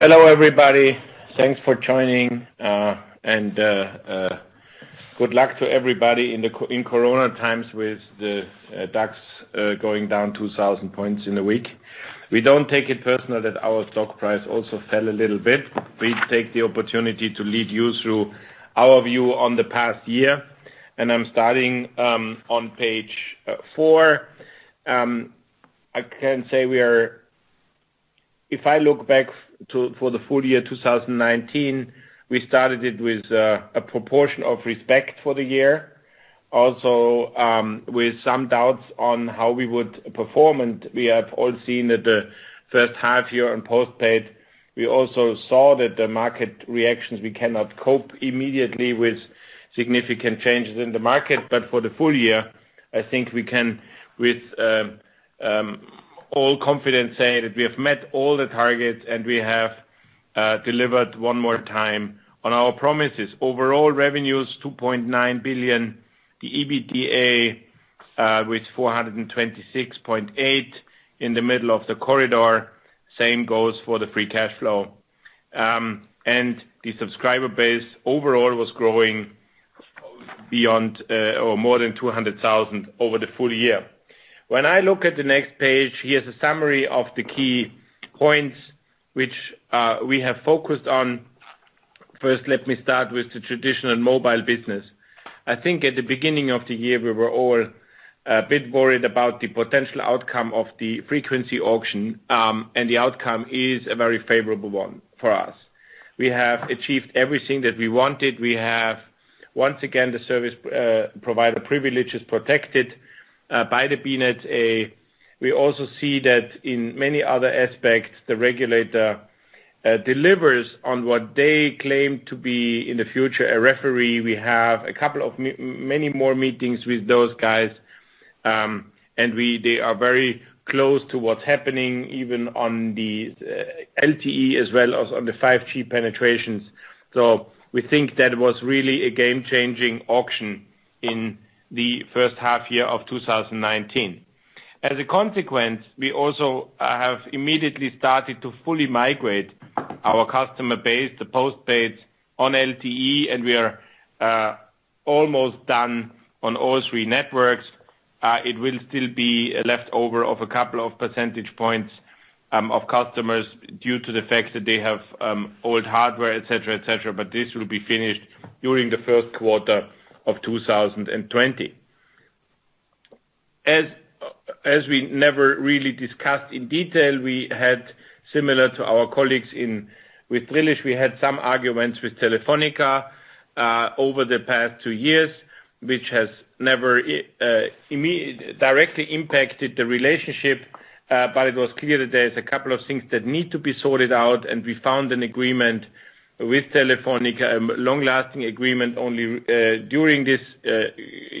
Hello, everybody. Thanks for joining. Good luck to everybody in Corona times with the DAX going down 2,000 points in a week. We don't take it personal that our stock price also fell a little bit. We take the opportunity to lead you through our view on the past year. I'm starting on page. I can say, if I look back for the full year 2019, we started it with a proportion of respect for the year. Also, with some doubts on how we would perform. We have all seen that the first half year in postpaid, we also saw that the market reactions, we cannot cope immediately with significant changes in the market. For the full year, I think we can, with all confidence, say that we have met all the targets. We have delivered one more time on our promises. Overall revenues, 2.9 billion. The EBITDA with 426.8 million in the middle of the corridor. Same goes for the free cash flow. The subscriber base overall was growing more than 200,000 over the full year. When I look at the next page, here's a summary of the key points which we have focused on. First, let me start with the traditional mobile business. I think at the beginning of the year, we were all a bit worried about the potential outcome of the frequency auction, and the outcome is a very favorable one for us. We have achieved everything that we wanted. We have, once again, the service provider privileges protected by the BNetzA. We also see that in many other aspects, the regulator delivers on what they claim to be, in the future, a referee. We have many more meetings with those guys. They are very close to what's happening, even on the LTE as well as on the 5G penetrations. We think that was really a game-changing auction in the first half year of 2019. As a consequence, we also have immediately started to fully migrate our customer base, the postpaid on LTE, and we are almost done on all three networks. It will still be a leftover of a couple of percentage points of customers due to the fact that they have old hardware, et cetera. This will be finished during the first quarter of 2020. As we never really discussed in detail, similar to our colleagues with Lösing, we had some arguments with Telefónica over the past two years, which has never directly impacted the relationship. It was clear that there's a couple of things that need to be sorted out, and we found an agreement with Telefónica, a long-lasting agreement, during this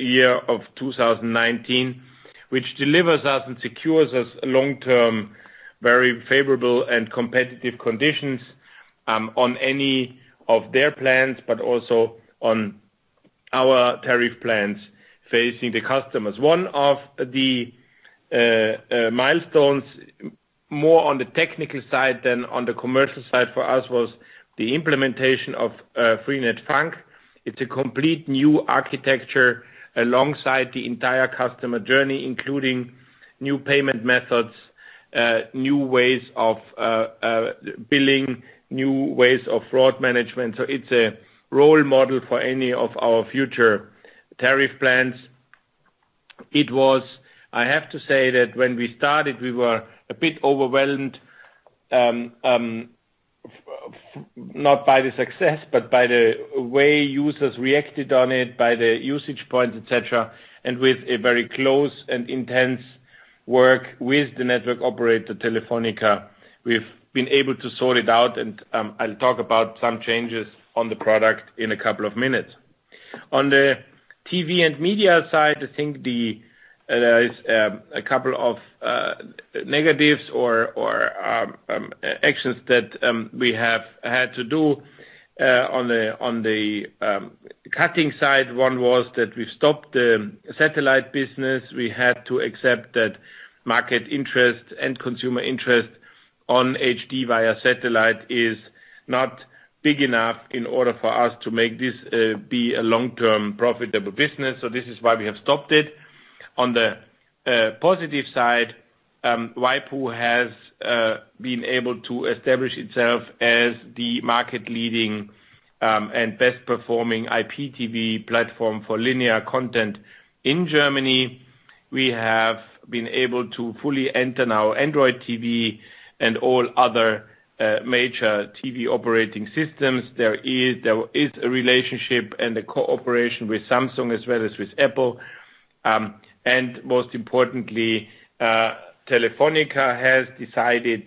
year of 2019. Which delivers us and secures us long-term, very favorable and competitive conditions on any of their plans, but also on our tariff plans facing the customers. One of the milestones, more on the technical side than on the commercial side for us, was the implementation of Freenet FUNK. It's a complete new architecture alongside the entire customer journey, including new payment methods, new ways of billing, new ways of fraud management. It's a role model for any of our future tariff plans. I have to say that when we started, we were a bit overwhelmed, not by the success, but by the way users reacted on it, by the usage points, et cetera. With a very close and intense work with the network operator, Telefónica, we've been able to sort it out, and I'll talk about some changes on the product in a couple of minutes. On the TV and media side, I think there is a couple of negatives or actions that we have had to do on the cutting side. One was that we've stopped the satellite business. We had to accept that market interest and consumer interest on HD via satellite is not big enough in order for us to make this be a long-term profitable business. This is why we have stopped it. On the positive side, waipu.tv has been able to establish itself as the market-leading and best-performing IPTV platform for linear content in Germany. We have been able to fully enter now Android TV and all other major TV operating systems. There is a relationship and a cooperation with Samsung as well as with Apple. Most importantly, Telefónica has decided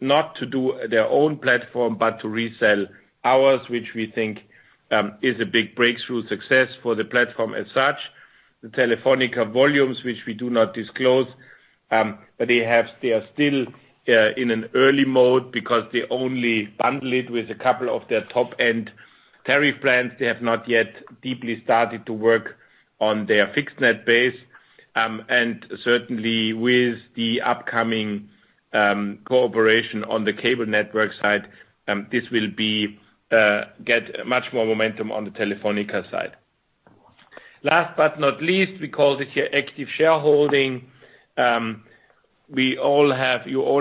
not to do their own platform, but to resell ours, which we think is a big breakthrough success for the platform as such. The Telefónica volumes, which we do not disclose, but they are still in an early mode because they only bundle it with a couple of their top-end tariff plans. They have not yet deeply started to work on their fixed net base. Certainly with the upcoming cooperation on the cable network side, this will get much more momentum on the Telefónica side. Last but not least, we call this your active shareholding. You all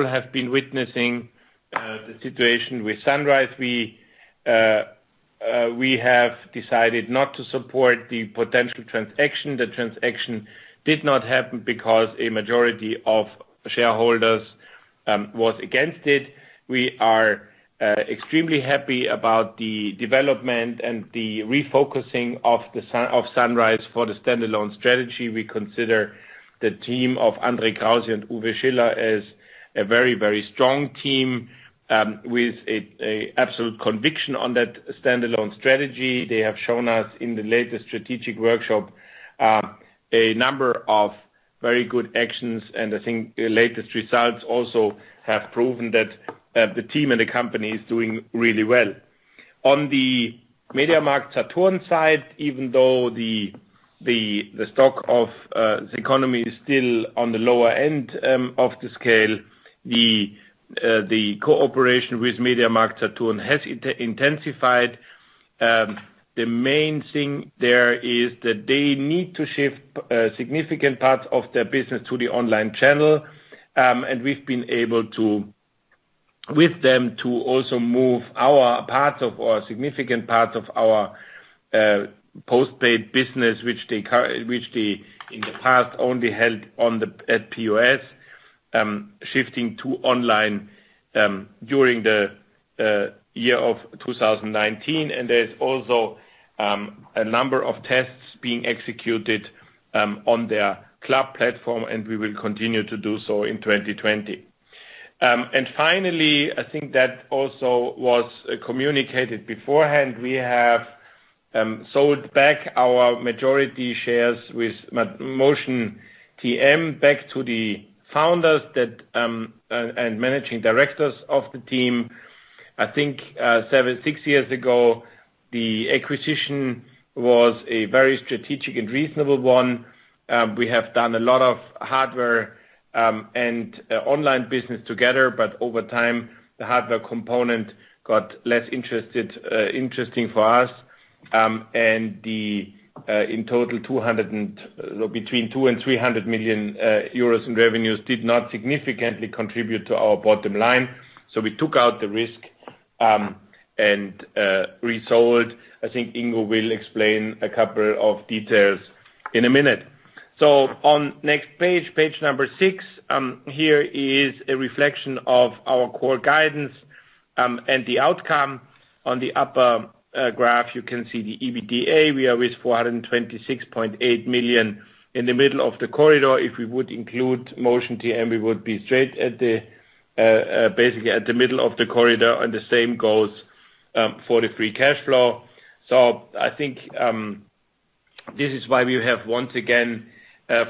have been witnessing the situation with Sunrise. We have decided not to support the potential transaction. The transaction did not happen because a majority of shareholders was against it. We are extremely happy about the development and the refocusing of Sunrise for the standalone strategy. We consider the team of André Krause and Uwe Schiller as a very, very strong team with a absolute conviction on that standalone strategy. They have shown us in the latest strategic workshop, a number of very good actions, and I think the latest results also have proven that the team and the company is doing really well. On the MediaMarktSaturn side, even though the stock of the CECONOMY is still on the lower end of the scale, the cooperation with MediaMarktSaturn has intensified. The main thing there is that they need to shift significant parts of their business to the online channel. We've been able, with them, to also move our part, or a significant part, of our postpaid business, which they in the past only held at POS, shifting to online during the year of 2019. There's also a number of tests being executed on their club platform, and we will continue to do so in 2020. Finally, I think that also was communicated beforehand. We have sold back our majority shares with Motion TM back to the founders and managing directors of the team. I think six years ago, the acquisition was a very strategic and reasonable one. We have done a lot of hardware and online business together, but over time, the hardware component got less interesting for us. In total, between 200 million and 300 million euros in revenues did not significantly contribute to our bottom line. We took out the risk, and resold. I think Ingo will explain a couple of details in a minute. On next page, page number 6. Here is a reflection of our core guidance, and the outcome. On the upper graph, you can see the EBITDA. We are with 426.8 million in the middle of the corridor. If we would include Motion TM, we would be straight, basically, at the middle of the corridor, and the same goes for the free cash flow. I think this is why we have, once again,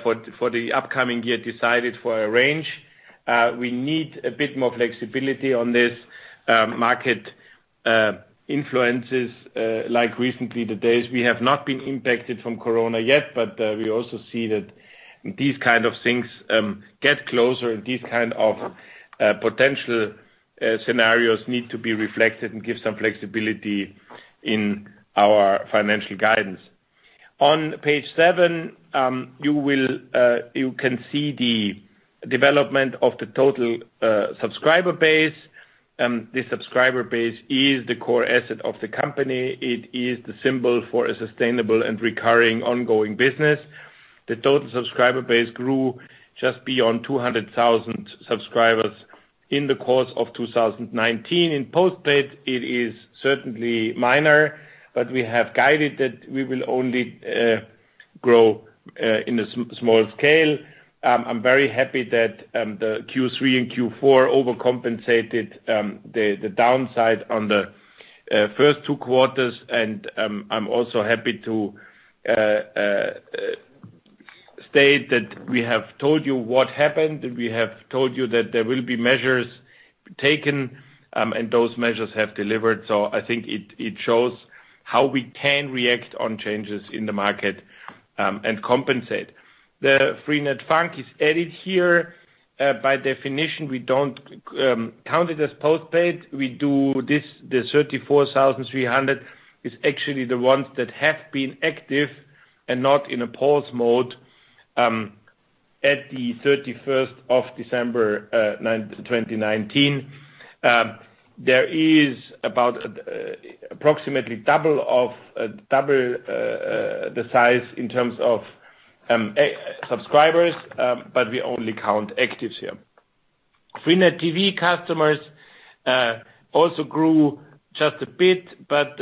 for the upcoming year, decided for a range. We need a bit more flexibility on this market influences, like recently, the days. We have not been impacted from Corona yet, but we also see that these kind of things get closer, and these kind of potential scenarios need to be reflected and give some flexibility in our financial guidance. On page 7, you can see the development of the total subscriber base. The subscriber base is the core asset of the company. It is the symbol for a sustainable and recurring ongoing business. The total subscriber base grew just beyond 200,000 subscribers in the course of 2019. In postpaid, it is certainly minor. We have guided that we will only grow in a small scale. I'm very happy that the Q3 and Q4 overcompensated the downside on the first two quarters. I'm also happy to state that we have told you what happened. We have told you that there will be measures taken, and those measures have delivered. I think it shows how we can react on changes in the market and compensate. The Freenet FUNK is added here. By definition, we don't count it as postpaid. We do this, the 34,300 is actually the ones that have been active and not in a pause mode at the 31st of December 2019. There is about approximately double the size in terms of subscribers, but we only count actives here. freenet TV customers also grew just a bit, but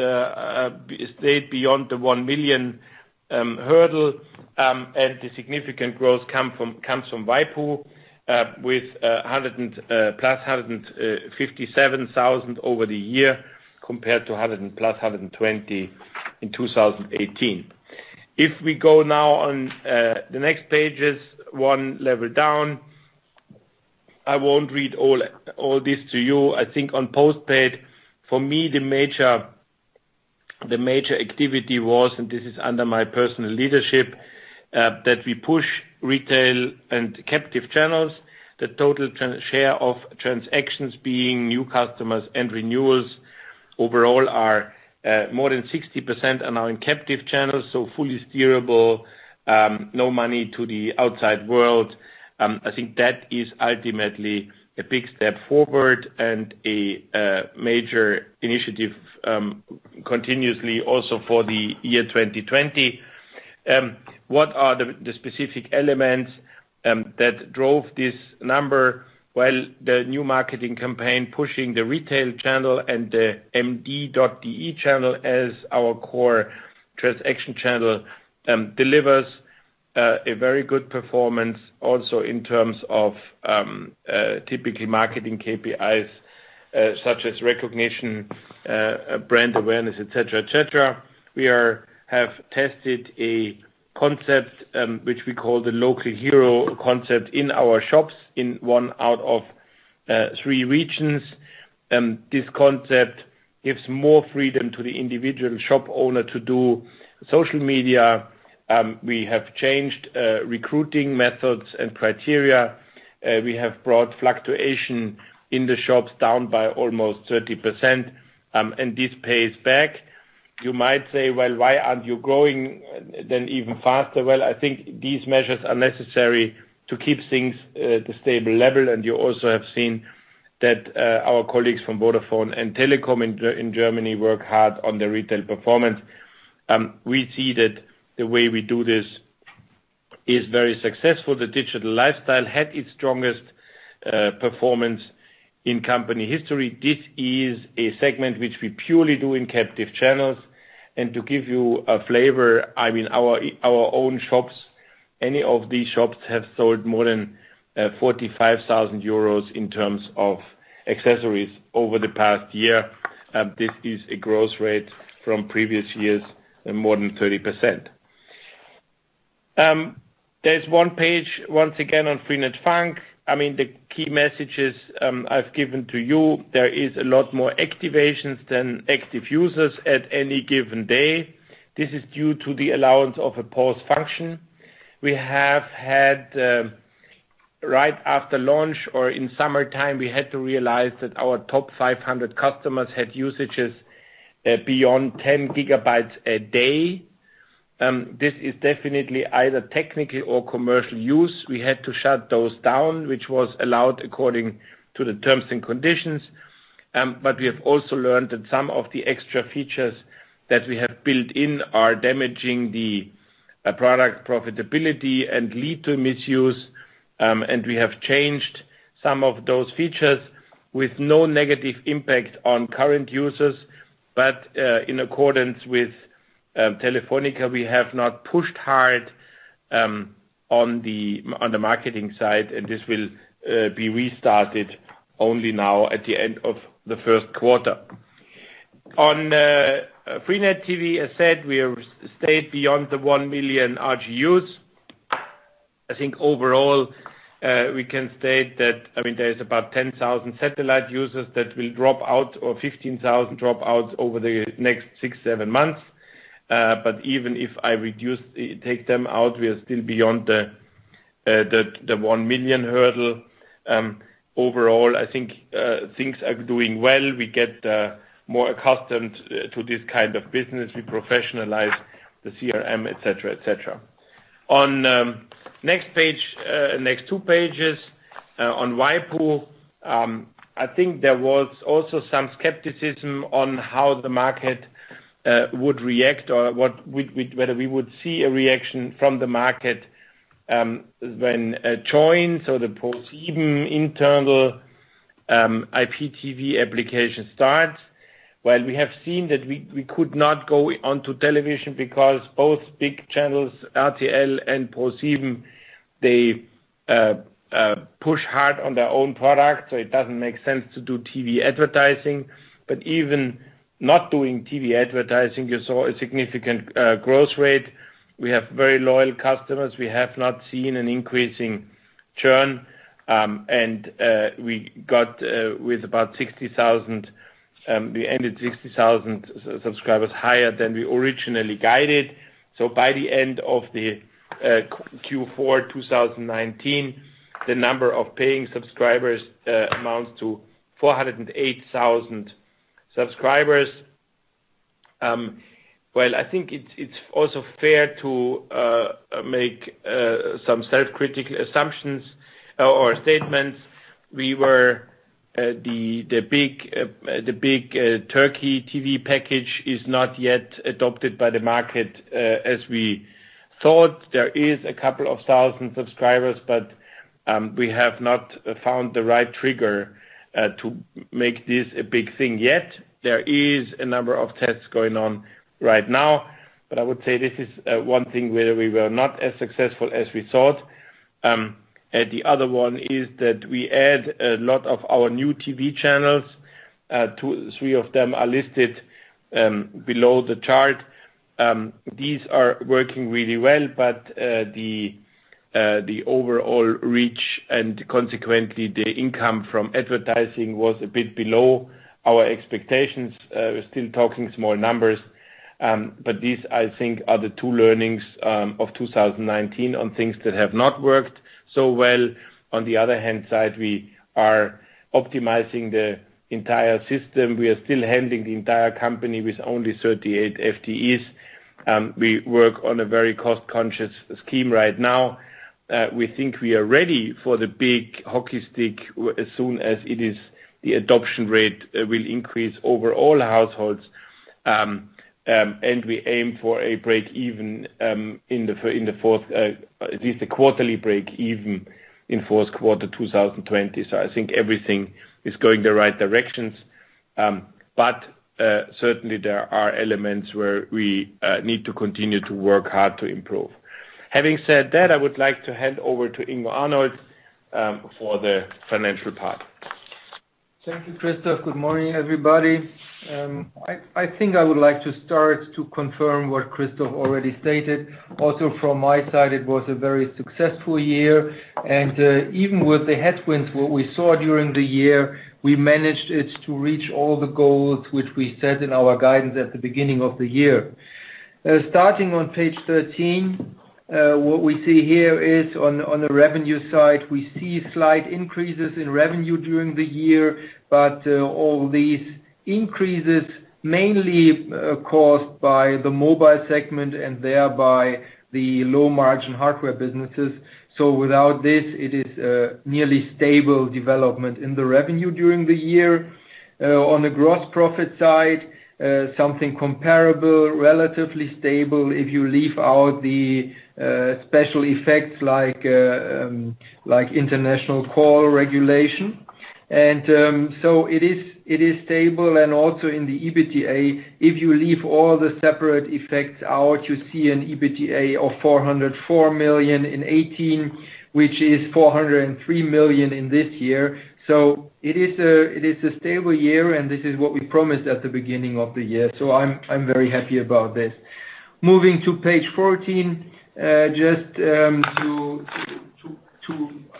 stayed beyond the 1 million hurdle. The significant growth comes from waipu.tv with plus 157,000 over the year compared to plus 120 in 2018. If we go now on the next pages, 1 level down. I won't read all this to you. I think on postpaid, for me, the major activity was, and this is under my personal leadership, that we push retail and captive channels, the total share of transactions being new customers and renewals overall are more than 60% are now in captive channels, so fully steerable, no money to the outside world. I think that is ultimately a big step forward and a major initiative continuously also for the year 2020. What are the specific elements that drove this number? Well, the new marketing campaign, pushing the retail channel and the md.de channel as our core transaction channel, delivers a very good performance also in terms of typically marketing KPIs such as recognition, brand awareness, et cetera. We have tested a concept, which we call the Local Hero concept, in our shops in one out of three regions. This concept gives more freedom to the individual shop owner to do social media. We have changed recruiting methods and criteria. We have brought fluctuation in the shops down by almost 30%, and this pays back. You might say, "Why aren't you growing then even faster?" I think these measures are necessary to keep things at a stable level, and you also have seen that our colleagues from Vodafone and Deutsche Telekom in Germany work hard on their retail performance. We see that the way we do this is very successful. The Digital Lifestyle had its strongest performance in company history. This is a segment which we purely do in captive channels. To give you a flavor, our own shops, any of these shops have sold more than 45,000 euros in terms of accessories over the past year. This is a growth rate from previous years of more than 30%. There's one page, once again, on Freenet FUNK. The key messages I've given to you, there is a lot more activations than active users at any given day. This is due to the allowance of a pause function. We have had, right after launch or in summertime, we had to realize that our top 500 customers had usages beyond 10 gigabytes a day. This is definitely either technically or commercial use. We had to shut those down, which was allowed according to the terms and conditions. We have also learned that some of the extra features that we have built in are damaging the product profitability and lead to misuse, and we have changed some of those features with no negative impact on current users. In accordance with Telefónica, we have not pushed hard on the marketing side, and this will be restarted only now at the end of the first quarter. On freenet TV, as said, we have stayed beyond the 1 million RGUs. I think overall, we can state that there is about 10,000 satellite users that will drop out or 15,000 dropouts over the next six, seven months. Even if I take them out, we are still beyond the 1 million hurdle. Overall, I think things are doing well. We get more accustomed to this kind of business. We professionalize the CRM, et cetera. On next two pages, on waipu, I think there was also some skepticism on how the market would react or whether we would see a reaction from the market when Joyn or the ProSieben internal IPTV application starts. While we have seen that we could not go onto television because both big channels, RTL and ProSieben, they push hard on their own product, so it does not make sense to do TV advertising. Even not doing TV advertising, you saw a significant growth rate. We have very loyal customers. We have not seen an increasing churn. We ended 60,000 subscribers higher than we originally guided. By the end of the Q4 2019, the number of paying subscribers amounts to 408,000 subscribers. Well, I think it's also fair to make some self-critical assumptions or statements. The big Turkey TV package is not yet adopted by the market as we thought. There is a couple of thousand subscribers, but we have not found the right trigger to make this a big thing yet. There is a number of tests going on right now, but I would say this is one thing where we were not as successful as we thought. The other one is that we add a lot of our new TV channels. Three of them are listed below the chart. These are working really well, but the overall reach, and consequently, the income from advertising was a bit below our expectations. We're still talking small numbers. These, I think, are the two learnings of 2019 on things that have not worked so well. On the other hand side, we are optimizing the entire system. We are still handling the entire company with only 38 FTEs. We work on a very cost-conscious scheme right now. We think we are ready for the big hockey stick as soon as the adoption rate will increase over all households. We aim for a break even, at least a quarterly break even in fourth quarter 2020. I think everything is going the right directions. Certainly there are elements where we need to continue to work hard to improve. Having said that, I would like to hand over to Ingo Arnold, for the financial part. Thank you, Christoph. Good morning, everybody. I think I would like to start to confirm what Christoph already stated. Also from my side, it was a very successful year. Even with the headwinds, what we saw during the year, we managed it to reach all the goals which we set in our guidance at the beginning of the year. Starting on page 13, what we see here is on the revenue side, we see slight increases in revenue during the year. All these increases mainly caused by the Mobile segment and thereby the low-margin hardware businesses. Without this, it is nearly stable development in the revenue during the year. On the gross profit side, something comparable, relatively stable if you leave out the special effects like international call regulation. It is stable and also in the EBITDA, if you leave all the separate effects out, you see an EBITDA of 404 million in 2018, which is 403 million in this year. It is a stable year, and this is what we promised at the beginning of the year. I'm very happy about this. Moving to page 14, just to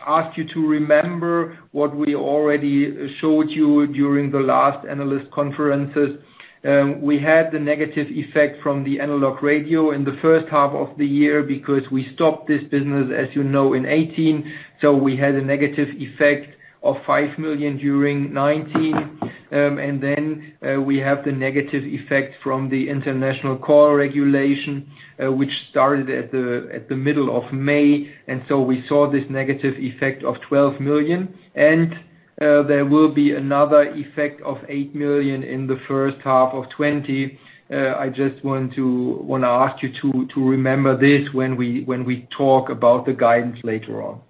ask you to remember what we already showed you during the last analyst conferences. We had the negative effect from the analog radio in the first half of the year because we stopped this business, as you know, in 2018. We had a negative effect of 5 million during 2019. We have the negative effect from the international call regulation, which started at the middle of May. We saw this negative effect of 12 million. There will be another effect of 8 million in the first half of 2020. I just want to ask you to remember this when we talk about the guidance later on.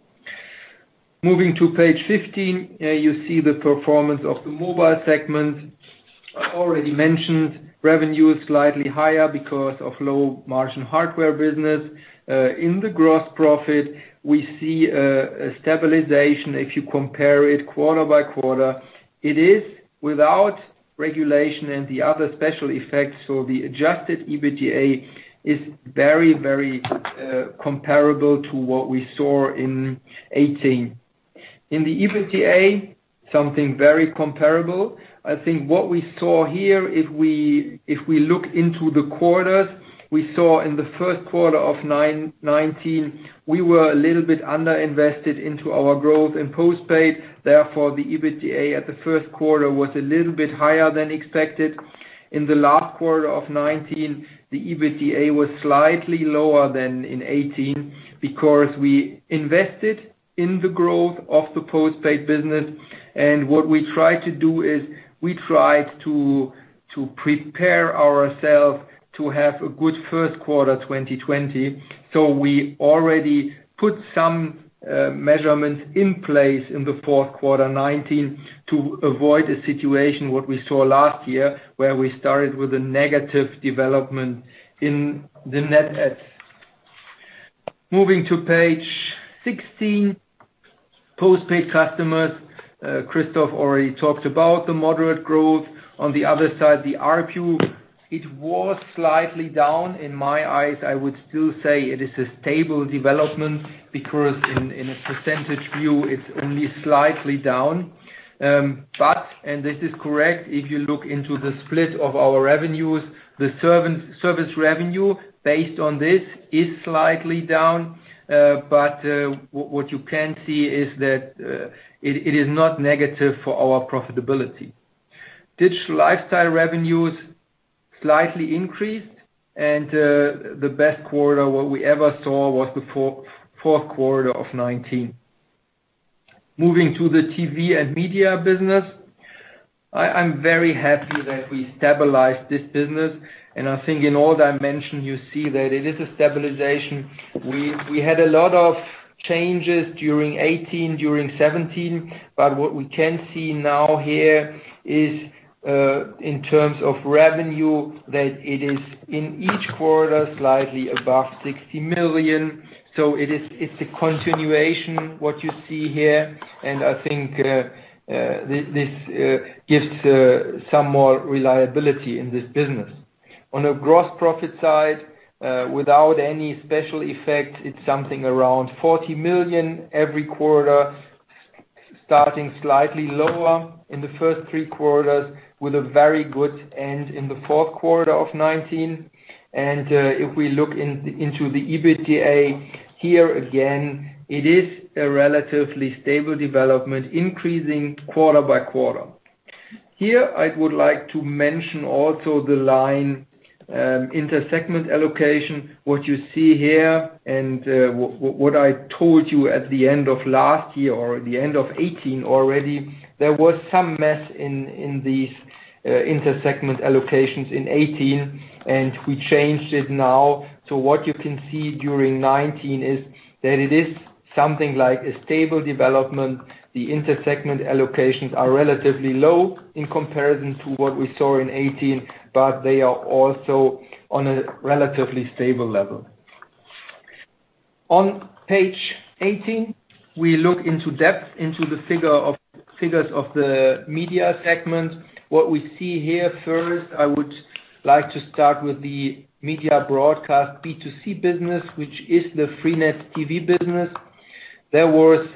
Moving to page 15, you see the performance of the Mobile segment. I already mentioned revenue is slightly higher because of low-margin hardware business. In the gross profit, we see a stabilization if you compare it quarter-by-quarter. It is without regulation and the other special effects, the Adjusted EBITDA is very comparable to what we saw in 2018. In the EBITDA, something very comparable. I think what we saw here, if we look into the quarters, we saw in the first quarter of 2019, we were a little bit under-invested into our growth in postpaid. Therefore, the EBITDA at the first quarter was a little bit higher than expected. In the last quarter of 2019, the EBITDA was slightly lower than in 2018 because we invested in the growth of the postpaid business. What we tried to do is we tried to prepare ourselves to have a good first quarter 2020. We already put some measurements in place in the fourth quarter 2019 to avoid a situation what we saw last year, where we started with a negative development in the net adds. Moving to page 16, postpaid customers. Christoph already talked about the moderate growth. On the other side, the ARPU, it was slightly down. In my eyes, I would still say it is a stable development because in a percentage view, it's only slightly down. This is correct, if you look into the split of our revenues, the service revenue based on this is slightly down. What you can see is that it is not negative for our profitability. Digital Lifestyle revenues slightly increased. The best quarter what we ever saw was the fourth quarter of 2019. Moving to the TV and media business. I'm very happy that we stabilized this business. I think in all dimensions you see that it is a stabilization. We had a lot of changes during 2018, during 2017. What we can see now here is, in terms of revenue, that it is in each quarter slightly above 60 million. It's a continuation, what you see here. I think this gives some more reliability in this business. On a gross profit side, without any special effect, it's something around 40 million every quarter, starting slightly lower in the first three quarters with a very good end in the fourth quarter of 2019. If we look into the EBITDA, here again, it is a relatively stable development, increasing quarter-by-quarter. Here, I would like to mention also the line, inter-segment allocation. What you see here and what I told you at the end of last year or at the end of 2018 already, there was some mess in these inter-segment allocations in 2018, and we changed it now. What you can see during 2019 is that it is something like a stable development. The inter-segment allocations are relatively low in comparison to what we saw in 2018, but they are also on a relatively stable level. On page 18, we look into depth into the figures of the Media segment. What we see here first, I would like to start with the Media Broadcast B2C business, which is the freenet TV business. There was,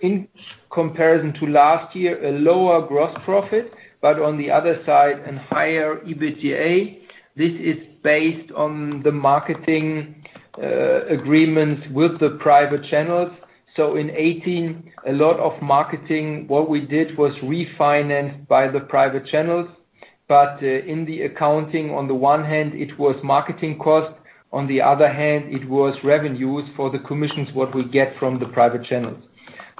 in comparison to last year, a lower gross profit, but on the other side, a higher EBITDA. This is based on the marketing agreements with the private channels. In 2018, a lot of marketing, what we did was refinanced by the private channels. In the accounting, on the one hand, it was marketing costs, on the other hand, it was revenues for the commissions, what we get from the private channels.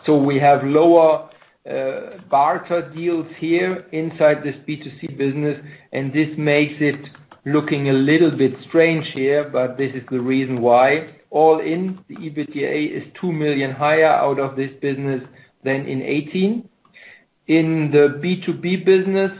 We have lower barter deals here inside this B2C business, and this makes it look a little bit strange here, but this is the reason why. All in, the EBITDA is 2 million higher out of this business than in 2018. In the B2B business,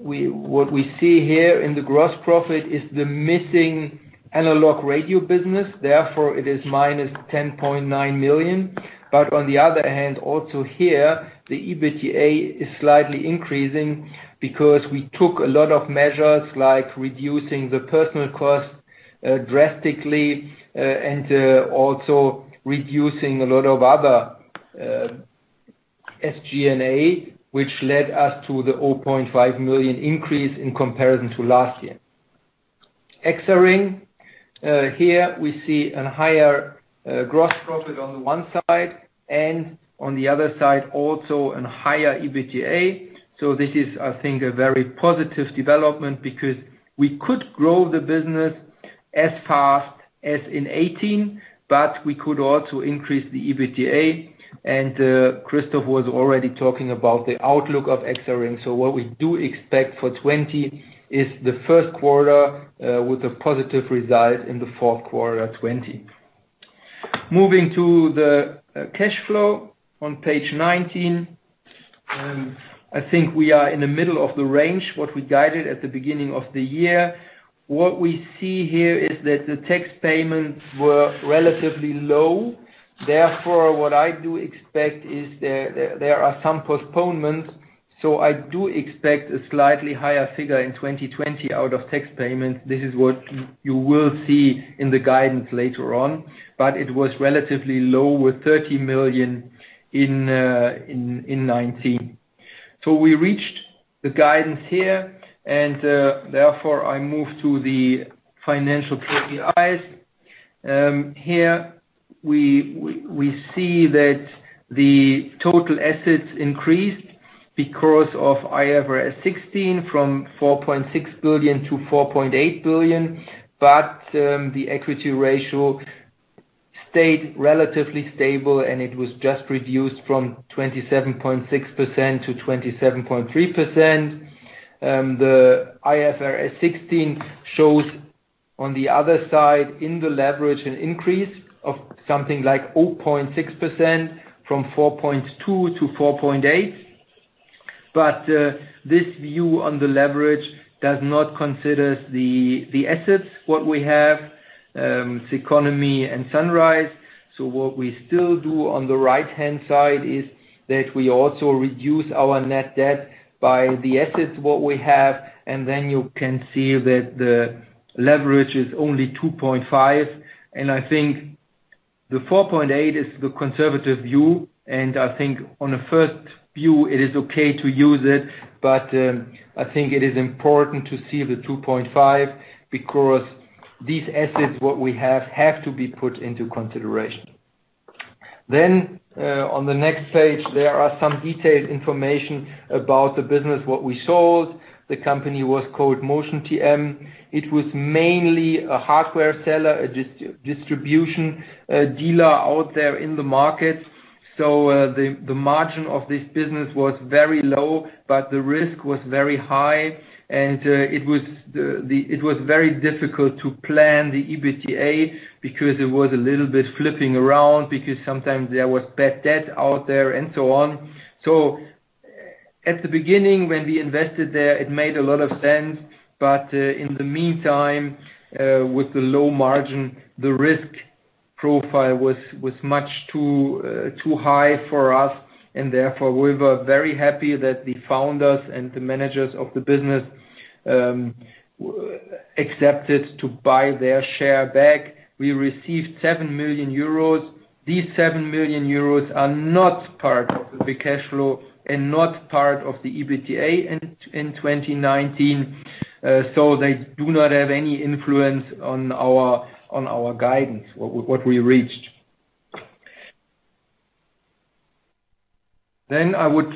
what we see here in the gross profit is the missing analog radio business, therefore it is minus 10.9 million. On the other hand, also here, the EBITDA is slightly increasing because we took a lot of measures like reducing the personal cost drastically and also reducing a lot of other SG&A, which led us to the 0.5 million increase in comparison to last year. Exaring, here we see a higher gross profit on the one side and on the other side, also a higher EBITDA. This is, I think, a very positive development because we could grow the business as fast as in 2018, but we could also increase the EBITDA. Christoph was already talking about the outlook of Exaring. What we do expect for 2020 is the first quarter with a positive result in the fourth quarter 2020. Moving to the cash flow on page 19. I think we are in the middle of the range, what we guided at the beginning of the year. What we see here is that the tax payments were relatively low. What I do expect is there are some postponements. I do expect a slightly higher figure in 2020 out of tax payments. This is what you will see in the guidance later on. It was relatively low with 30 million in 2019. We reached the guidance here, and therefore, I move to the financial KPIs. Here, we see that the total assets increased because of IFRS 16 from 4.6 billion-4.8 billion. The equity ratio stayed relatively stable, and it was just reduced from 27.6%-27.3%. The IFRS 16 shows, on the other side, in the leverage, an increase of something like 0.6 percentage points from 4.2-4.8. This view on the leverage does not consider the assets, what we have, CECONOMY and Sunrise. What we still do on the right-hand side is that we also reduce our net debt by the assets, what we have, and then you can see that the leverage is only 2.5. I think the 4.8 is the conservative view, and I think on a first view, it is okay to use it, but I think it is important to see the 2.5 because these assets, what we have to be put into consideration. On the next page, there are some detailed information about the business, what we sold. The company was called Motion TM. It was mainly a hardware seller, a distribution dealer out there in the market. The margin of this business was very low, but the risk was very high, and it was very difficult to plan the EBITDA because it was a little bit flipping around because sometimes there was bad debt out there and so on. At the beginning, when we invested there, it made a lot of sense. In the meantime, with the low margin, the risk profile was much too high for us. Therefore, we were very happy that the founders and the managers of the business accepted to buy their share back. We received 7 million euros. These 7 million euros are not part of the free cash flow and not part of the EBITDA in 2019, so they do not have any influence on our guidance, what we reached. Then I would-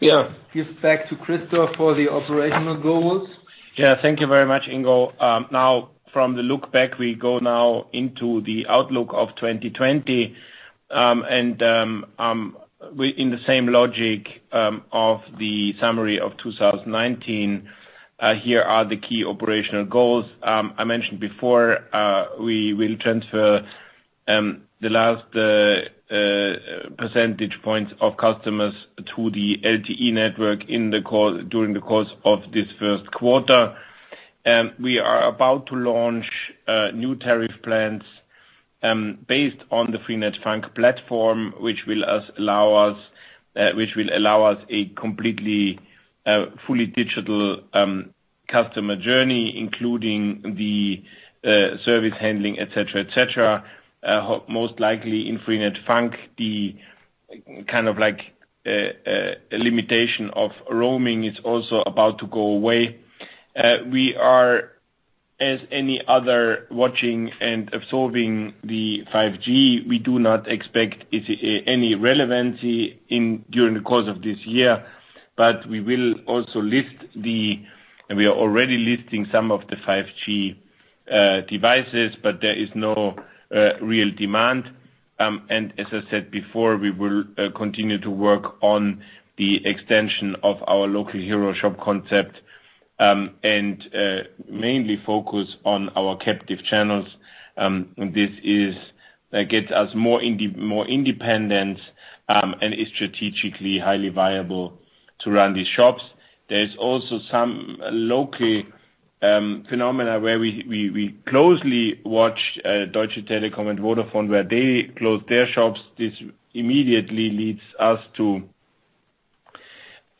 Yeah. -give back to Christoph for the operational goals. Yeah. Thank you very much, Ingo. Now from the look back, we go now into the outlook of 2020. In the same logic of the summary of 2019, here are the key operational goals. I mentioned before, we will transfer the last percentage points of customers to the LTE network during the course of this first quarter. We are about to launch new tariff plans based on the Freenet FUNK platform, which will allow us a completely, fully digital customer journey, including the service handling, et cetera. Most likely in Freenet FUNK, the limitation of roaming is also about to go away. We are, as any other, watching and absorbing the 5G. We do not expect any relevancy during the course of this year, but we are already lifting some of the 5G devices, but there is no real demand. As I said before, we will continue to work on the extension of our Local Hero shop concept, and mainly focus on our captive channels. This gets us more independent, and is strategically highly viable to run these shops. There is also some local phenomena where we closely watch Deutsche Telekom and Vodafone, where they close their shops. This immediately leads us to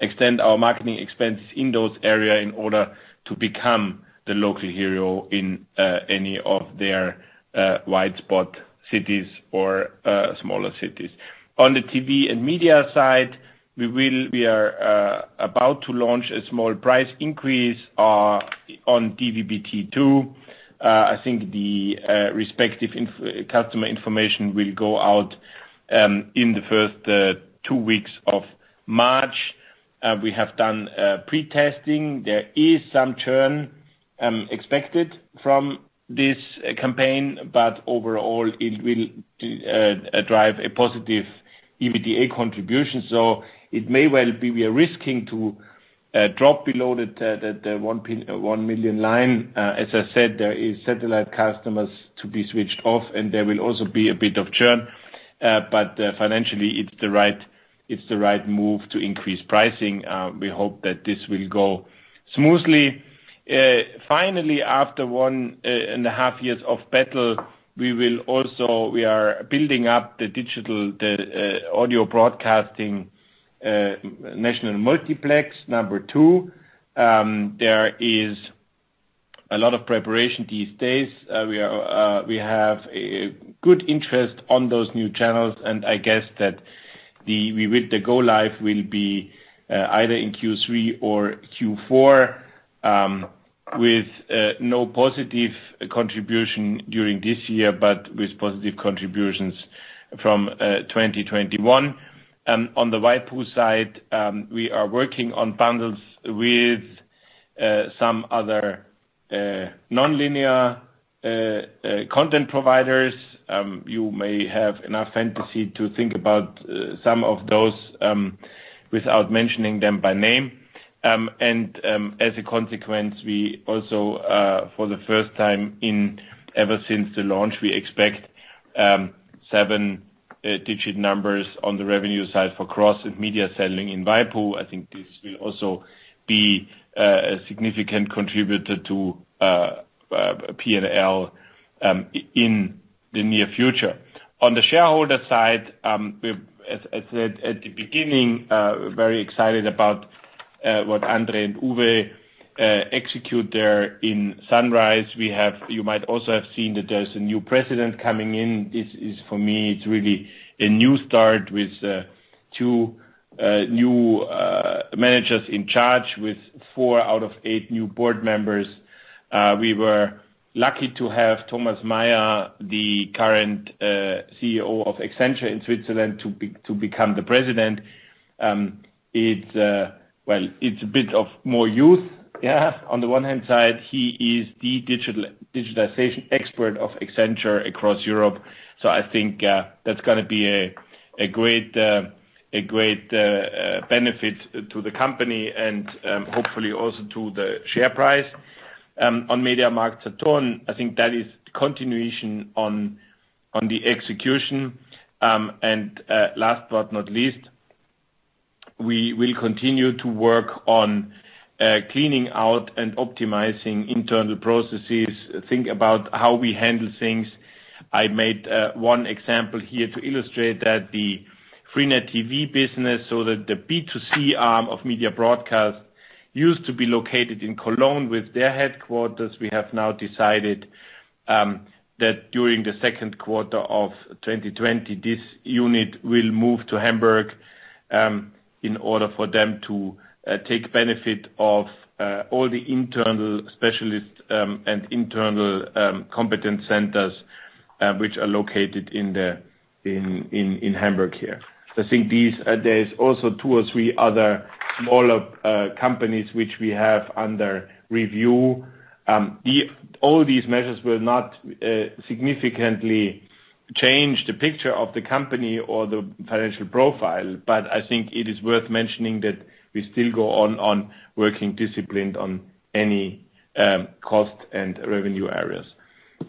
extend our marketing expenses in those area in order to become the local hero in any of their wide spot cities or smaller cities. On the TV and media side, we are about to launch a small price increase on DVB-T2. I think the respective customer information will go out in the first two weeks of March. We have done pre-testing. There is some churn expected from this campaign, but overall it will drive a positive EBITDA contribution. It may well be we are risking to drop below that 1 million line. As I said, there is satellite customers to be switched off, and there will also be a bit of churn. Financially, it's the right move to increase pricing. We hope that this will go smoothly. Finally, after one and a half years of battle, we are building up the digital, the audio broadcasting national multiplex number 2. There is a lot of preparation these days. We have a good interest on those new channels, and I guess that the go live will be either in Q3 or Q4, with no positive contribution during this year, but with positive contributions from 2021. On the waipu side, we are working on bundles with some other non-linear content providers. You may have enough fantasy to think about some of those without mentioning them by name. As a consequence, we also, for the first time ever since the launch, we expect seven-digit numbers on the revenue side for cross-media selling in waipu. I think this will also be a significant contributor to P&L in the near future. On the shareholder side, as I said at the beginning, very excited about what André and Uwe execute there in Sunrise. You might also have seen that there's a new president coming in. This is, for me, it's really a new start with two new managers in charge, with four out of eight new board members. We were lucky to have Thomas Meyer, the current CEO of Accenture in Switzerland, to become the president. It's a bit of more youth. On the one hand side, he is the digitalization expert of Accenture across Europe. I think that's going to be a great benefit to the company and hopefully also to the share price. On MediaMarktSaturn, I think that is continuation on the execution. Last but not least, we will continue to work on cleaning out and optimizing internal processes, think about how we handle things. I made one example here to illustrate that, the freenet TV business, so that the B2C arm of Media Broadcast used to be located in Cologne with their headquarters. We have now decided that during the second quarter of 2020, this unit will move to Hamburg, in order for them to take benefit of all the internal specialists and internal competence centers which are located in Hamburg here. There's also two or three other smaller companies which we have under review. All these measures will not significantly change the picture of the company or the financial profile, but I think it is worth mentioning that we still go on working disciplined on any cost and revenue areas.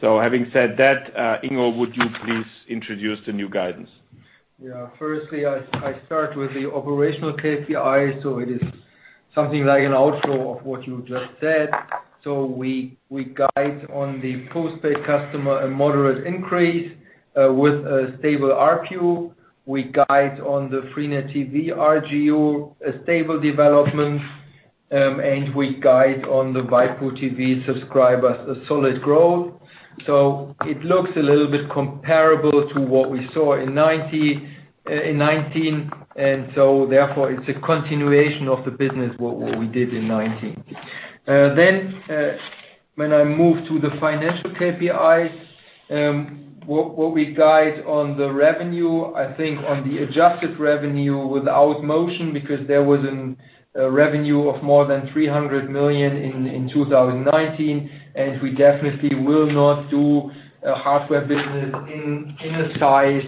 Having said that, Ingo, would you please introduce the new guidance? Firstly, I start with the operational KPI. It is something like an outflow of what you just said. We guide on the postpaid customer a moderate increase, with a stable ARPU. We guide on the freenet TV RGU a stable development, and we guide on the waipu.tv subscribers a solid growth. It looks a little bit comparable to what we saw in 2019, so therefore it's a continuation of the business, what we did in 2019. When I move to the financial KPI, what we guide on the revenue, I think on the adjusted revenue without Motion, because there was a revenue of more than 300 million in 2019. We definitely will not do a hardware business in a size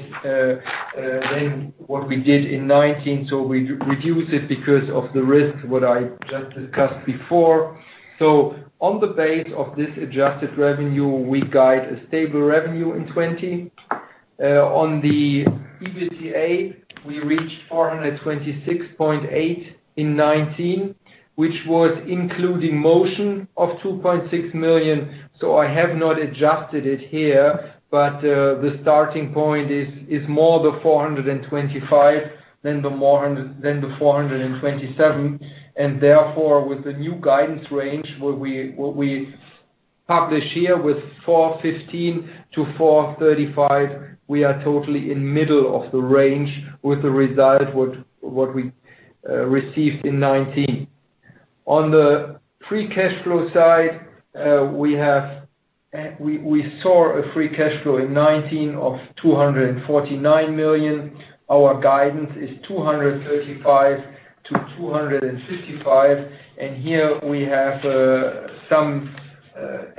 than what we did in 2019. We reduce it because of the risks, what I just discussed before. On the base of this adjusted revenue, we guide a stable revenue in 2020. On the EBITDA, we reached 426.8 in 2019, which was including Motion of 2.6 million. I have not adjusted it here, but the starting point is more the 425 than the 427, and therefore, with the new guidance range, what we publish here with 415-435, we are totally in middle of the range with the result, what we received in 2019. On the free cash flow side, we saw a free cash flow in 2019 of 249 million. Our guidance is 235-255, and here we have some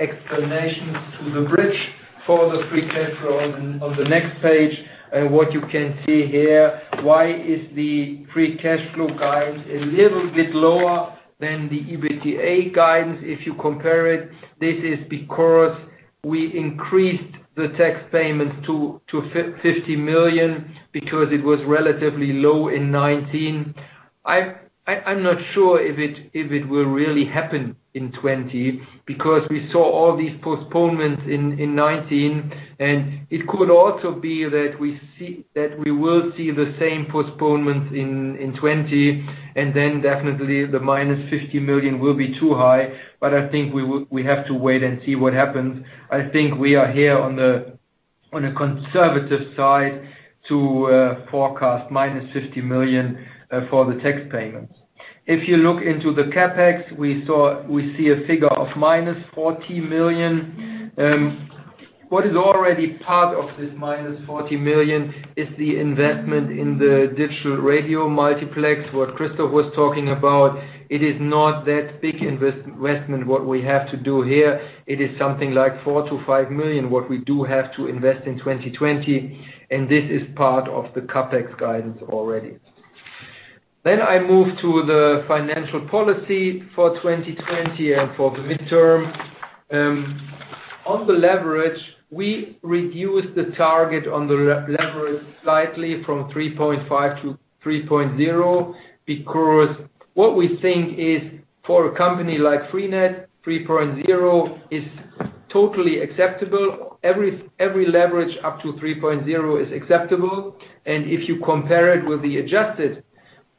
explanations to the bridge for the free cash flow on the next page. You can see here, why is the free cash flow guidance a little bit lower than the EBITDA guidance? If you compare it, this is because we increased the tax payments to 50 million, because it was relatively low in 2019. I'm not sure if it will really happen in 2020, because we saw all these postponements in 2019. It could also be that we will see the same postponements in 2020. Then definitely the minus 50 million will be too high. I think we have to wait and see what happens. I think we are here on the conservative side to forecast minus 50 million for the tax payments. If you look into the CapEx, we see a figure of minus 40 million. What is already part of this minus 40 million is the investment in the digital radio multiplex, what Christoph was talking about. It is not that big investment, what we have to do here. It is something like 4 million-5 million, what we do have to invest in 2020, and this is part of the CapEx guidance already. Then I move to the financial policy for 2020 and for the midterm. On the leverage, we reduced the target on the leverage slightly from 3.5-3.0, because what we think is, for a company like freenet, 3.0 is totally acceptable. Every leverage up to 3.0 is acceptable, and if you compare it with the adjusted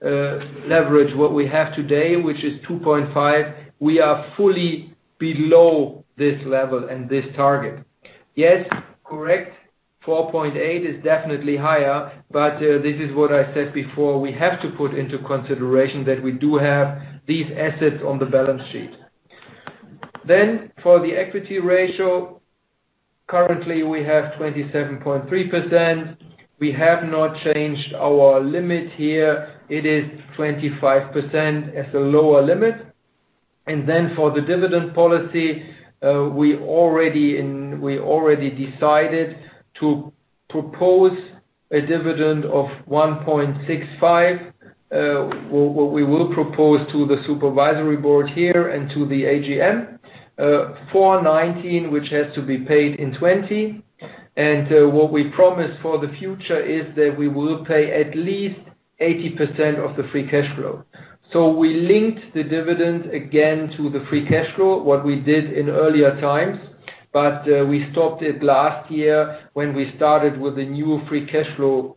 leverage, what we have today, which is 2.5, we are fully below this level and this target. Yes, correct, 4.8 is definitely higher, but this is what I said before, we have to put into consideration that we do have these assets on the balance sheet. For the equity ratio, currently we have 27.3%. We have not changed our limit here. It is 25% as a lower limit. For the dividend policy, we already decided to propose a dividend of 1.65, what we will propose to the supervisory board here and to the AGM, for 2019 which has to be paid in 2020. What we promised for the future is that we will pay at least 80% of the free cash flow. We linked the dividend again to the free cash flow, what we did in earlier times. We stopped it last year when we started with a new free cash flow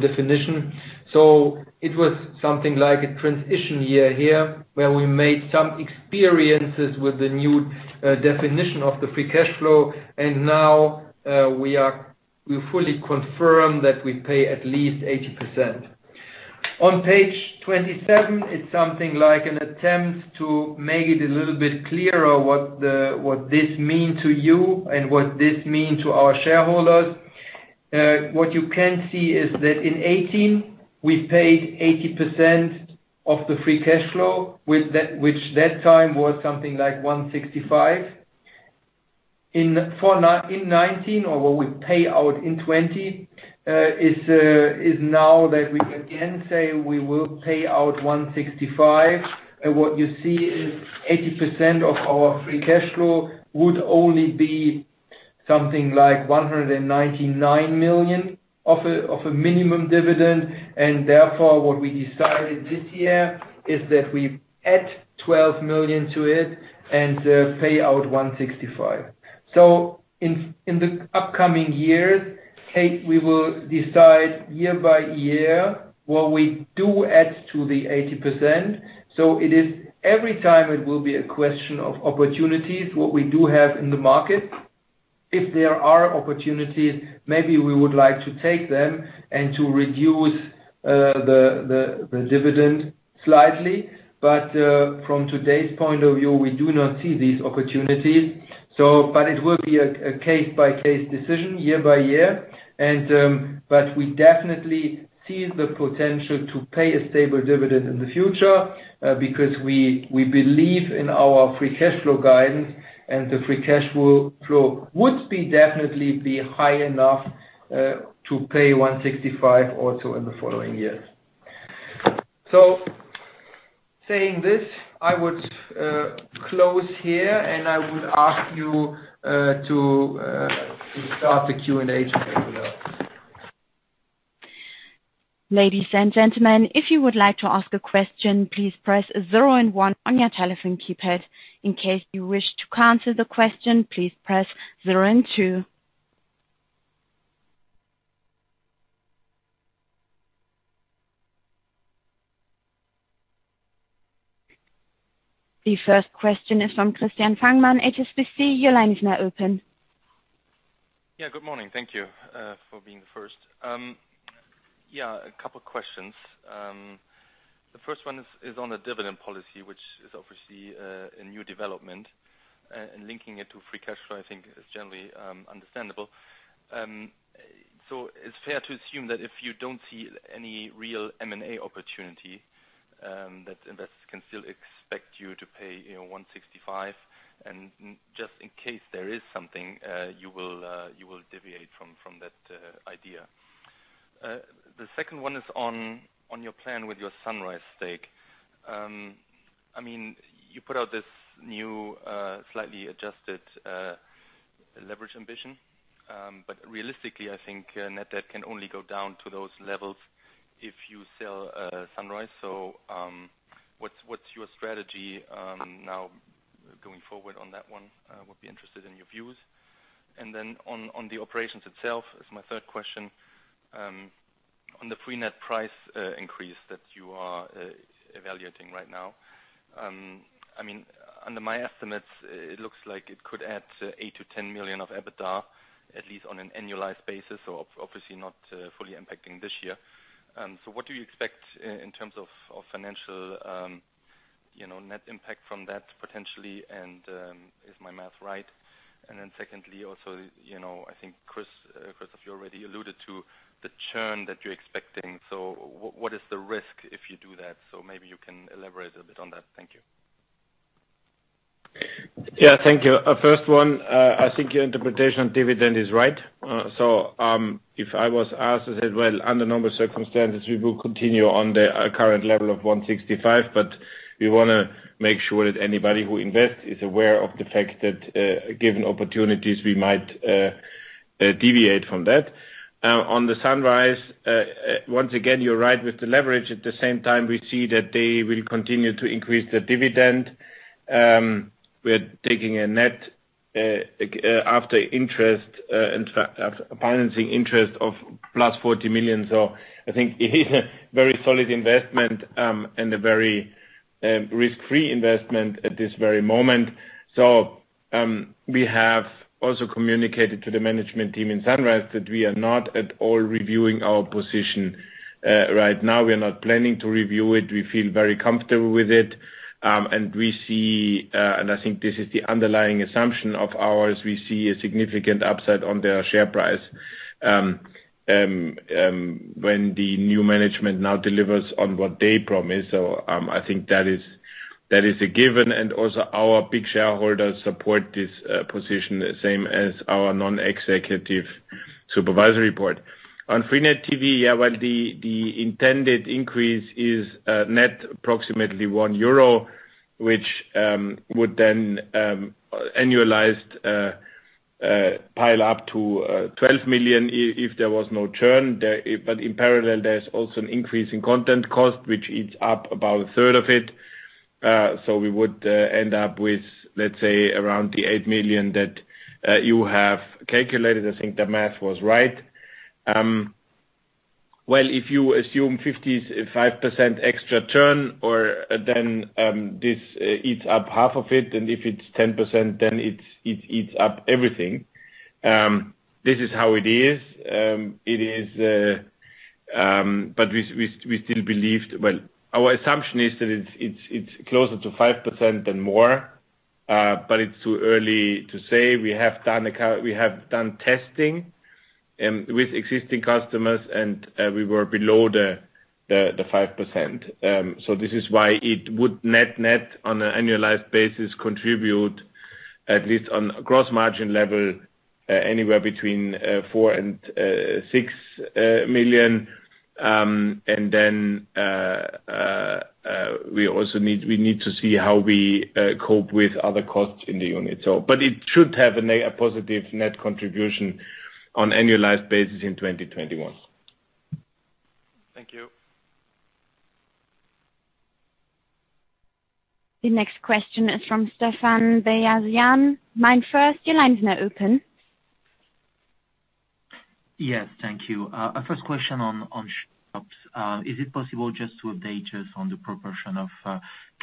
definition. It was something like a transition year here, where we made some experiences with the new definition of the free cash flow. Now, we fully confirm that we pay at least 80%. On page 27, it's something like an attempt to make it a little bit clearer what this mean to you and what this mean to our shareholders. What you can see is that in 2018, we paid 80% of the free cash flow, which that time was something like 1.65. In 2019, or what we pay out in 2020, is now that we again say we will pay out 1.65. What you see is 80% of our free cash flow would only be something like 199 million of a minimum dividend. Therefore, what we decided this year is that we add 12 million to it and pay out 1.65. In the upcoming years, we will decide year-by-year what we do add to the 80%. Every time it will be a question of opportunities, what we do have in the market. If there are opportunities, maybe we would like to take them and to reduce the dividend slightly. From today's point of view, we do not see these opportunities. It will be a case-by-case decision year-by-year. We definitely see the potential to pay a stable dividend in the future, because we believe in our free cash flow guidance, and the free cash flow would be definitely be high enough, to pay 1.65 in the following years. Saying this, I would close here, and I would ask you to start the Q&A. Ladies and gentlemen, if you would like to ask a question, please press zero and one on your telephone keypad. In case you wish to cancel the question, please press zero and two. The first question is from Christian Fangmann, HSBC. Your line is now open. Good morning. Thank you for being the first. A couple questions. The first one is on the dividend policy, which is obviously a new development. Linking it to free cash flow, I think, is generally understandable. It's fair to assume that if you don't see any real M&A opportunity, that investors can still expect you to pay 1.65, and just in case there is something, you will deviate from that idea. The second one is on your plan with your Sunrise stake. You put out this new, slightly adjusted leverage ambition. Realistically, I think net debt can only go down to those levels if you sell Sunrise. What's your strategy now going forward on that one? I would be interested in your views. On the operations itself is my third question. On the freenet price increase that you are evaluating right now. Under my estimates, it looks like it could add 8 million-10 million of EBITDA, at least on an annualized basis. Obviously not fully impacting this year. What do you expect in terms of financial net impact from that potentially, and is my math right? Then secondly, also, I think, Christoph, you already alluded to the churn that you're expecting. What is the risk if you do that? Maybe you can elaborate a bit on that. Thank you. Thank you. First one, I think your interpretation of dividend is right. If I was asked, I said, well, under normal circumstances, we will continue on the current level of 1.65. We want to make sure that anybody who invests is aware of the fact that, given opportunities, we might deviate from that. On the Sunrise, once again, you're right with the leverage. At the same time, we see that they will continue to increase the dividend. We're taking a net after financing interest of plus 40 million. I think it is a very solid investment, and a very risk-free investment at this very moment. We have also communicated to the management team in Sunrise that we are not at all reviewing our position right now. We are not planning to review it. We feel very comfortable with it. I think this is the underlying assumption of ours, we see a significant upside on their share price when the new management now delivers on what they promise. I think that is a given. Also our big shareholders support this position the same as our non-executive supervisory board. On freenet TV, yeah. Well, the intended increase is net approximately 1 euro, which would then annualized pile up to 12 million if there was no churn there. In parallel, there's also an increase in content cost, which eats up about a third of it. We would end up with, let's say, around the 8 million that you have calculated. I think the math was right. Well, if you assume 55% extra churn, then this eats up half of it, and if it's 10%, then it eats up everything. This is how it is. Well, our assumption is that it's closer to 5% than more, but it's too early to say. We have done testing with existing customers, and we were below the 5%. This is why it would net on an annualized basis contribute at least on gross margin level, anywhere between 4 million and 6 million. Then we also need to see how we cope with other costs in the unit. It should have a positive net contribution on annualized basis in 2021. Thank you. The next question is from Stephane Beyazian, MainFirst. Your line is now open. Yes. Thank you. First question on shops. Is it possible just to update us on the proportion of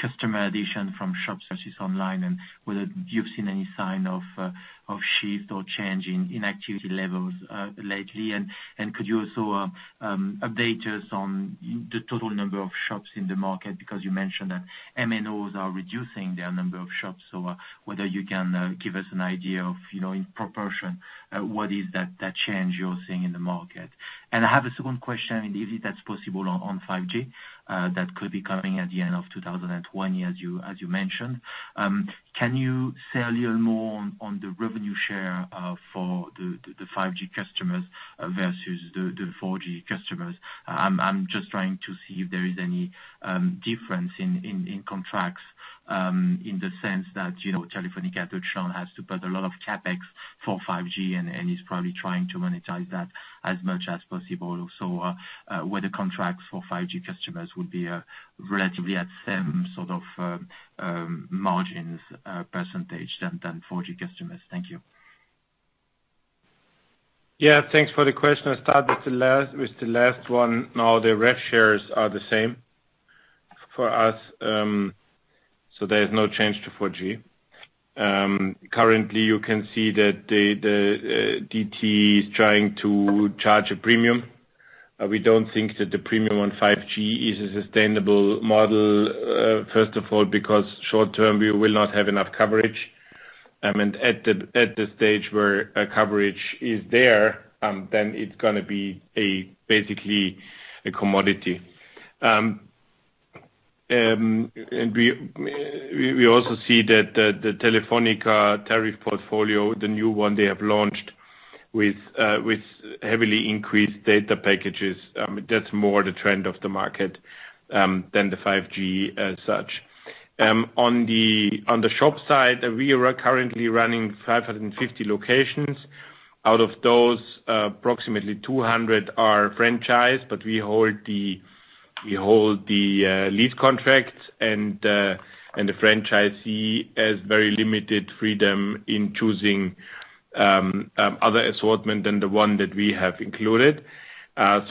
customer addition from shops versus online, and whether you've seen any sign of shift or change in activity levels lately? Could you also update us on the total number of shops in the market? Because you mentioned that MNOs are reducing their number of shops. Whether you can give us an idea of, in proportion, what is that change you're seeing in the market? I have a second question, and if that's possible, on 5G, that could be coming at the end of 2020, as you mentioned. Can you say a little more on the revenue share for the 5G customers versus the 4G customers? I'm just trying to see if there is any difference in contracts, in the sense that Telefónica Deutschland has to put a lot of CapEx for 5G and is probably trying to monetize that as much as possible. Whether contracts for 5G customers would be relatively at same sort of margins percentage than 4G customers. Thank you. Yeah, thanks for the question. I'll start with the last one. No, the rev shares are the same for us. There is no change to 4G. Currently, you can see that DT is trying to charge a premium. We don't think that the premium on 5G is a sustainable model. First of all, because short term, we will not have enough coverage. At the stage where coverage is there, then it's going to be basically a commodity. We also see that the Telefónica tariff portfolio, the new one they have launched with heavily increased data packages, that's more the trend of the market than the 5G as such. On the shop side, we are currently running 550 locations. Out of those, approximately 200 are franchise, but we hold the lease contracts, and the franchisee has very limited freedom in choosing other assortment than the one that we have included.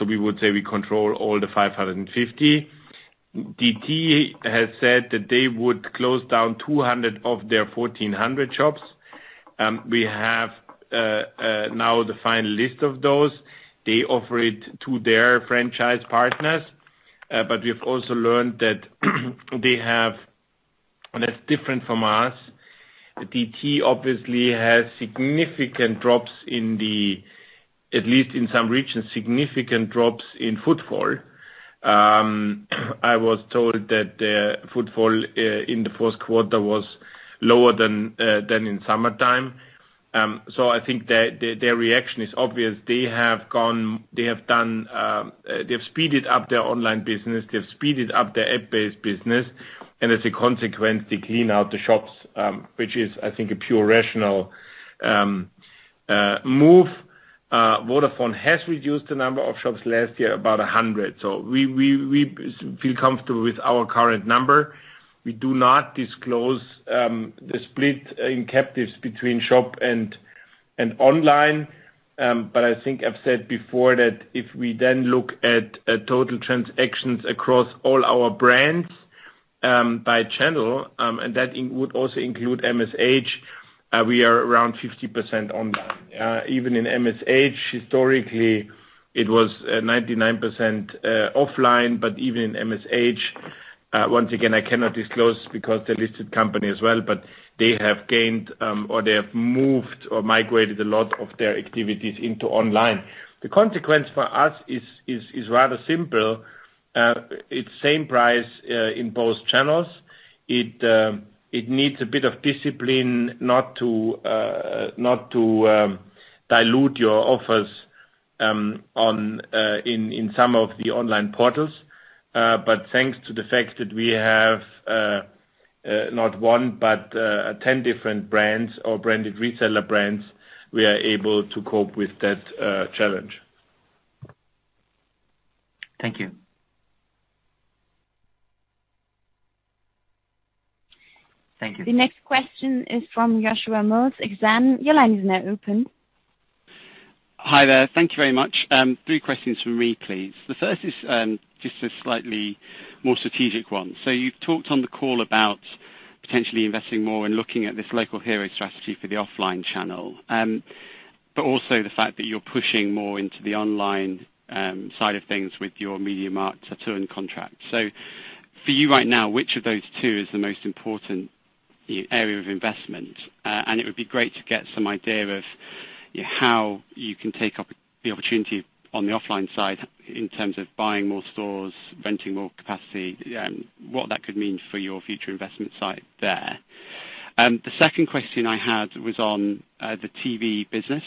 We would say we control all the 550. DT has said that they would close down 200 of their 1,400 shops. We have now the final list of those. They offer it to their franchise partners. We've also learned that they have, and that's different from us. DT obviously has, at least in some regions, significant drops in footfall. I was told that their footfall in the first quarter was lower than in summertime. I think their reaction is obvious. They have speeded up their online business. They've speeded up their app-based business. As a consequence, they clean out the shops, which is, I think, a pure rational move. Vodafone has reduced the number of shops last year, about 100. We feel comfortable with our current number. We do not disclose the split in captives between shop and online. I think I've said before that if we then look at total transactions across all our brands by channel, and that would also include Media-Saturn-Holding, we are around 50% online. Even in Media-Saturn-Holding, historically, it was 99% offline. Even in Media-Saturn-Holding, once again, I cannot disclose because they're a listed company as well, but they have gained or they have moved or migrated a lot of their activities into online. The consequence for us is rather simple. It's same price in both channels. It needs a bit of discipline not to dilute your offers in some of the online portals. Thanks to the fact that we have not one, but 10 different brands or branded reseller brands, we are able to cope with that challenge. Thank you. Thank you. The next question is from Joshua Mills, Exane. Your line is now open. Hi there. Thank you very much. Three questions from me, please. The first is just a slightly more strategic one. You've talked on the call about potentially investing more in looking at this Local Hero strategy for the offline channel. Also the fact that you're pushing more into the online side of things with your MediaMarktSaturn contract. For you right now, which of those two is the most important area of investment? It would be great to get some idea of how you can take up the opportunity on the offline side in terms of buying more stores, renting more capacity, what that could mean for your future investment site there. The second question I had was on the TV business.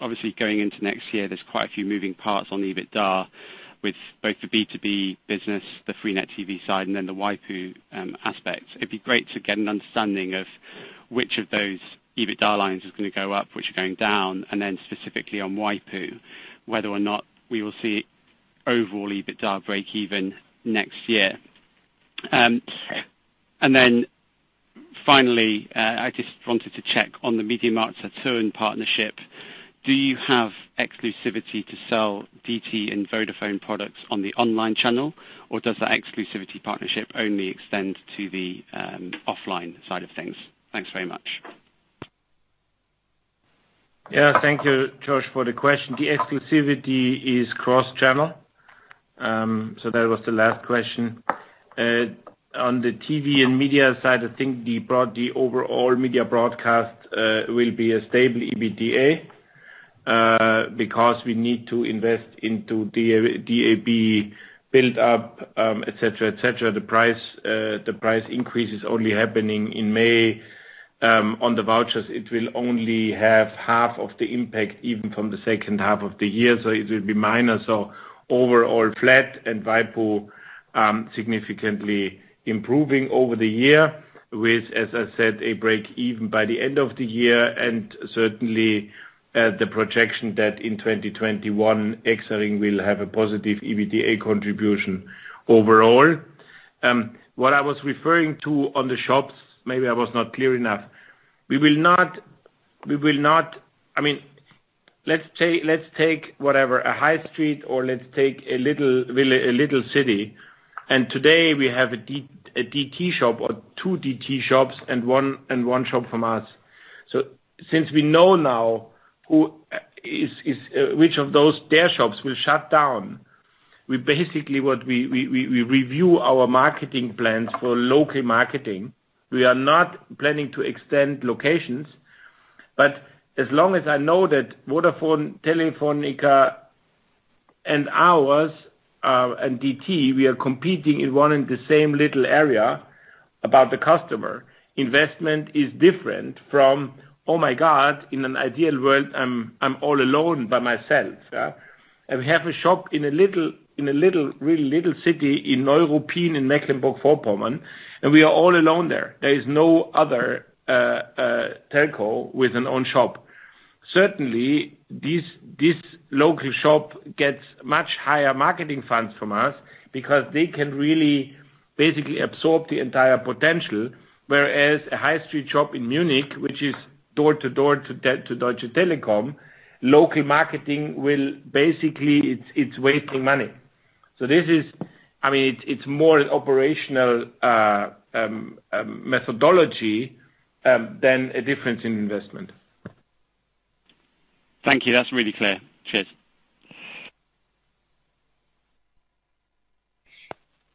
Obviously going into next year, there's quite a few moving parts on the EBITDA with both the B2B business, the freenet TV side, and then the waipu.tv aspect. It'd be great to get an understanding of which of those EBITDA lines is going to go up, which are going down, and then specifically on waipu.tv, whether or not we will see overall EBITDA break even next year. Finally, I just wanted to check on the MediaMarktSaturn partnership. Do you have exclusivity to sell DT and Vodafone products on the online channel, or does that exclusivity partnership only extend to the offline side of things? Thanks very much. Thank you, Josh, for the question. The exclusivity is cross-channel. That was the last question. On the TV and media side, I think the overall Media Broadcast will be a stable EBITDA, because we need to invest into DAB build up, et cetera. The price increase is only happening in May. On the vouchers, it will only have half of the impact even from the second half of the year, so it will be minor. Overall flat and waipu.tv significantly improving over the year with, as I said, a break even by the end of the year, and certainly the projection that in 2021, Exaring will have a positive EBITDA contribution overall. What I was referring to on the shops, maybe I was not clear enough. Let's take, whatever, a high street or let's take a little city. Today we have a DT shop or two DT shops and one shop from us. Since we know now which of those their shops will shut down, we review our marketing plans for local marketing. We are not planning to extend locations. As long as I know that Vodafone, Telefónica, and ours, and DT, we are competing in one and the same little area about the customer. Investment is different from, oh my god, in an ideal world, I'm all alone by myself. Yeah. We have a shop in a little, really little city in Neuruppin and Mecklenburg-Vorpommern, and we are all alone there. There is no other telco with an own shop. Certainly, this local shop gets much higher marketing funds from us because they can really basically absorb the entire potential, whereas a high street shop in Munich, which is door to door to Deutsche Telekom, local marketing will basically, it's wasting money. It's more an operational methodology than a difference in investment. Thank you. That's really clear. Cheers.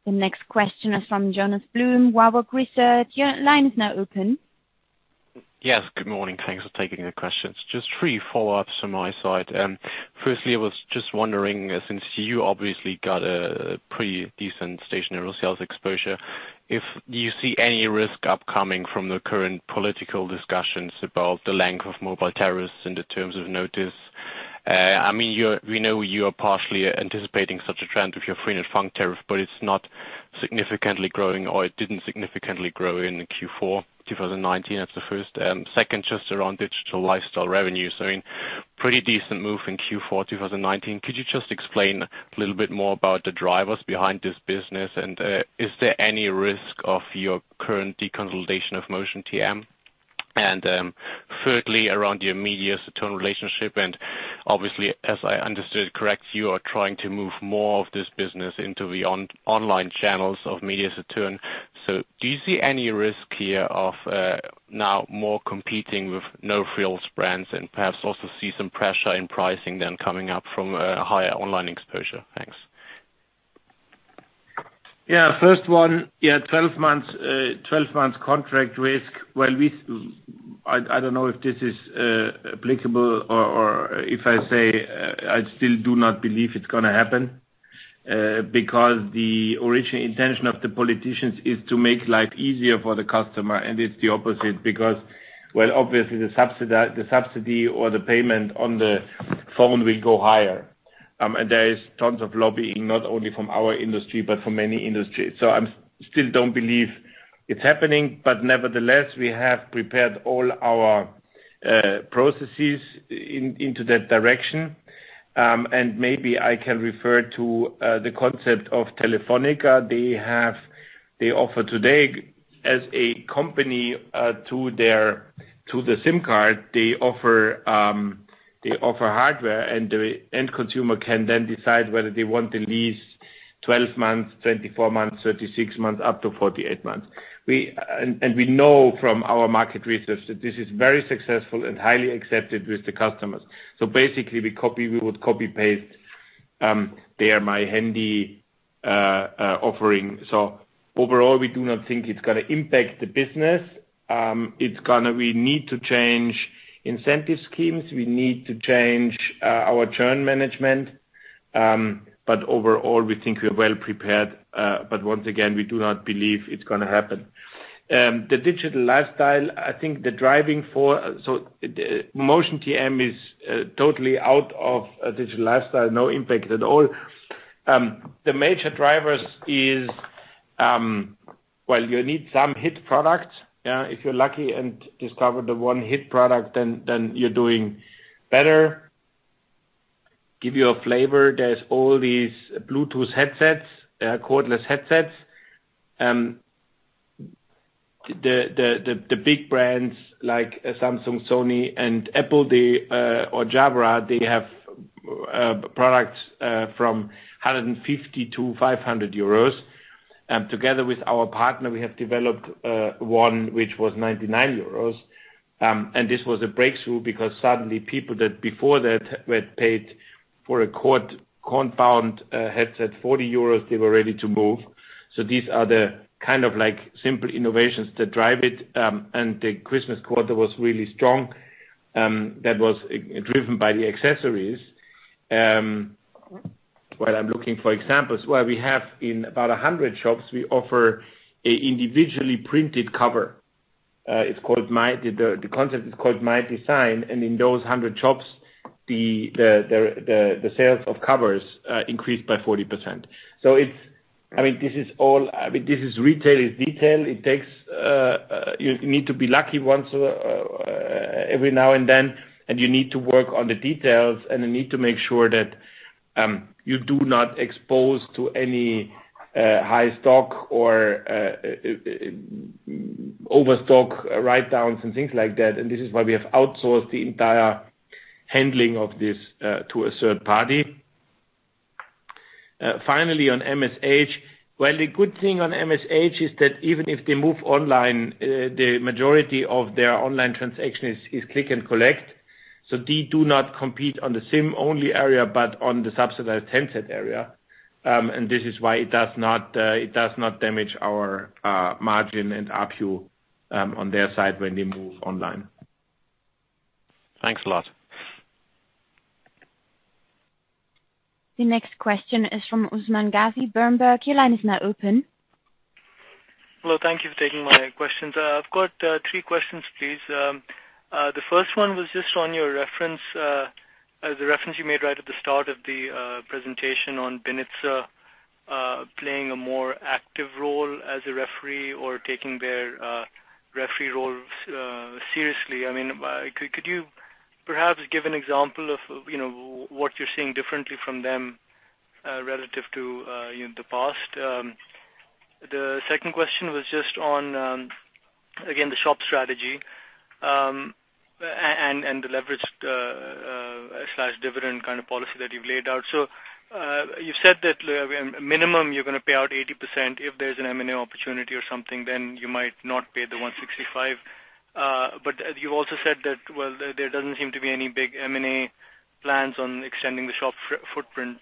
The next question is from Jonas Blum, Warburg Research. Your line is now open. Yes, good morning. Thanks for taking the questions. Just three follow-ups from my side. Firstly, I was just wondering, since you obviously got a pretty decent stationary sales exposure, if you see any risk upcoming from the current political discussions about the length of mobile tariffs and the terms of notice. We know you are partially anticipating such a trend with your Freenet FUNK tariff, but it's not significantly growing, or it didn't significantly grow in Q4 2019. That's the first. Second, just around Digital Lifestyle revenues. I mean pretty decent move in Q4 2019. Could you just explain a little bit more about the drivers behind this business? Is there any risk of your current deconsolidation of Motion TM? Thirdly, around your MediaMarktSaturn relationship, and obviously, as I understood correct, you are trying to move more of this business into the online channels of MediaMarktSaturn. Do you see any risk here of now more competing with no-frills brands and perhaps also see some pressure in pricing then coming up from a higher online exposure? Thanks. Yeah. First one, 12 months contract risk. I don't know if this is applicable or if I say, I still do not believe it's going to happen. Because the original intention of the politicians is to make life easier for the customer, and it's the opposite. Well, obviously the subsidy or the payment on the phone will go higher. There is tons of lobbying, not only from our industry, but from many industries. I still don't believe it's happening, but nevertheless, we have prepared all our processes into that direction. Maybe I can refer to the concept of Telefónica. They offer today as a company to the SIM card, they offer hardware, and the end consumer can then decide whether they want to lease 12 months, 24 months, 36 months, up to 48 months. We know from our market research that this is very successful and highly accepted with the customers. Basically, we would copy-paste their My Handy offering. Overall, we do not think it's going to impact the business. We need to change incentive schemes. We need to change our churn management. Overall, we think we're well prepared. Once again, we do not believe it's going to happen. The Digital Lifestyle, Motion TM is totally out of Digital Lifestyle, no impact at all. The major drivers is, well, you need some hit products. If you're lucky and discover the one hit product, then you're doing better. Give you a flavor. There's all these Bluetooth headsets, cordless headsets. The big brands like Samsung, Sony, and Apple or Jabra, they have products from 150-500 euros. Together with our partner, we have developed one which was 99 euros. This was a breakthrough because suddenly people that before that had paid for a compound headset 40 euros, they were ready to move. These are the kind of simple innovations that drive it. The Christmas quarter was really strong. That was driven by the accessories. Well, I'm looking for examples. Well, we have in about 100 shops, we offer an individually printed cover. The concept is called My Design. In those 100 shops, the sales of covers increased by 40%. This is retail, it's detail. You need to be lucky once every now and then, and you need to work on the details, and you need to make sure that you do not expose to any high stock or overstock write-downs and things like that. This is why we have outsourced the entire handling of this to a third party. Finally, on MSH. Well, the good thing on MSH is that even if they move online, the majority of their online transactions is click and collect. They do not compete on the SIM-only area, but on the subsidized handset area. This is why it does not damage our margin and ARPU on their side when they move online. Thanks a lot. The next question is from Usman Ghazi, Berenberg. Your line is now open. Hello. Thank you for taking my questions. I've got three questions, please. The first one was just on your reference, the reference you made right at the start of the presentation on BNetzA playing a more active role as a referee or taking their referee role seriously. Could you perhaps give an example of what you're seeing differently from them relative to the past? The second question was just on, again, the shop strategy and the leveraged/dividend kind of policy that you've laid out. You said that minimum, you're going to pay out 80%. If there's an M&A opportunity or something, then you might not pay the 1.65. You also said that, well, there doesn't seem to be any big M&A plans on extending the shop footprint.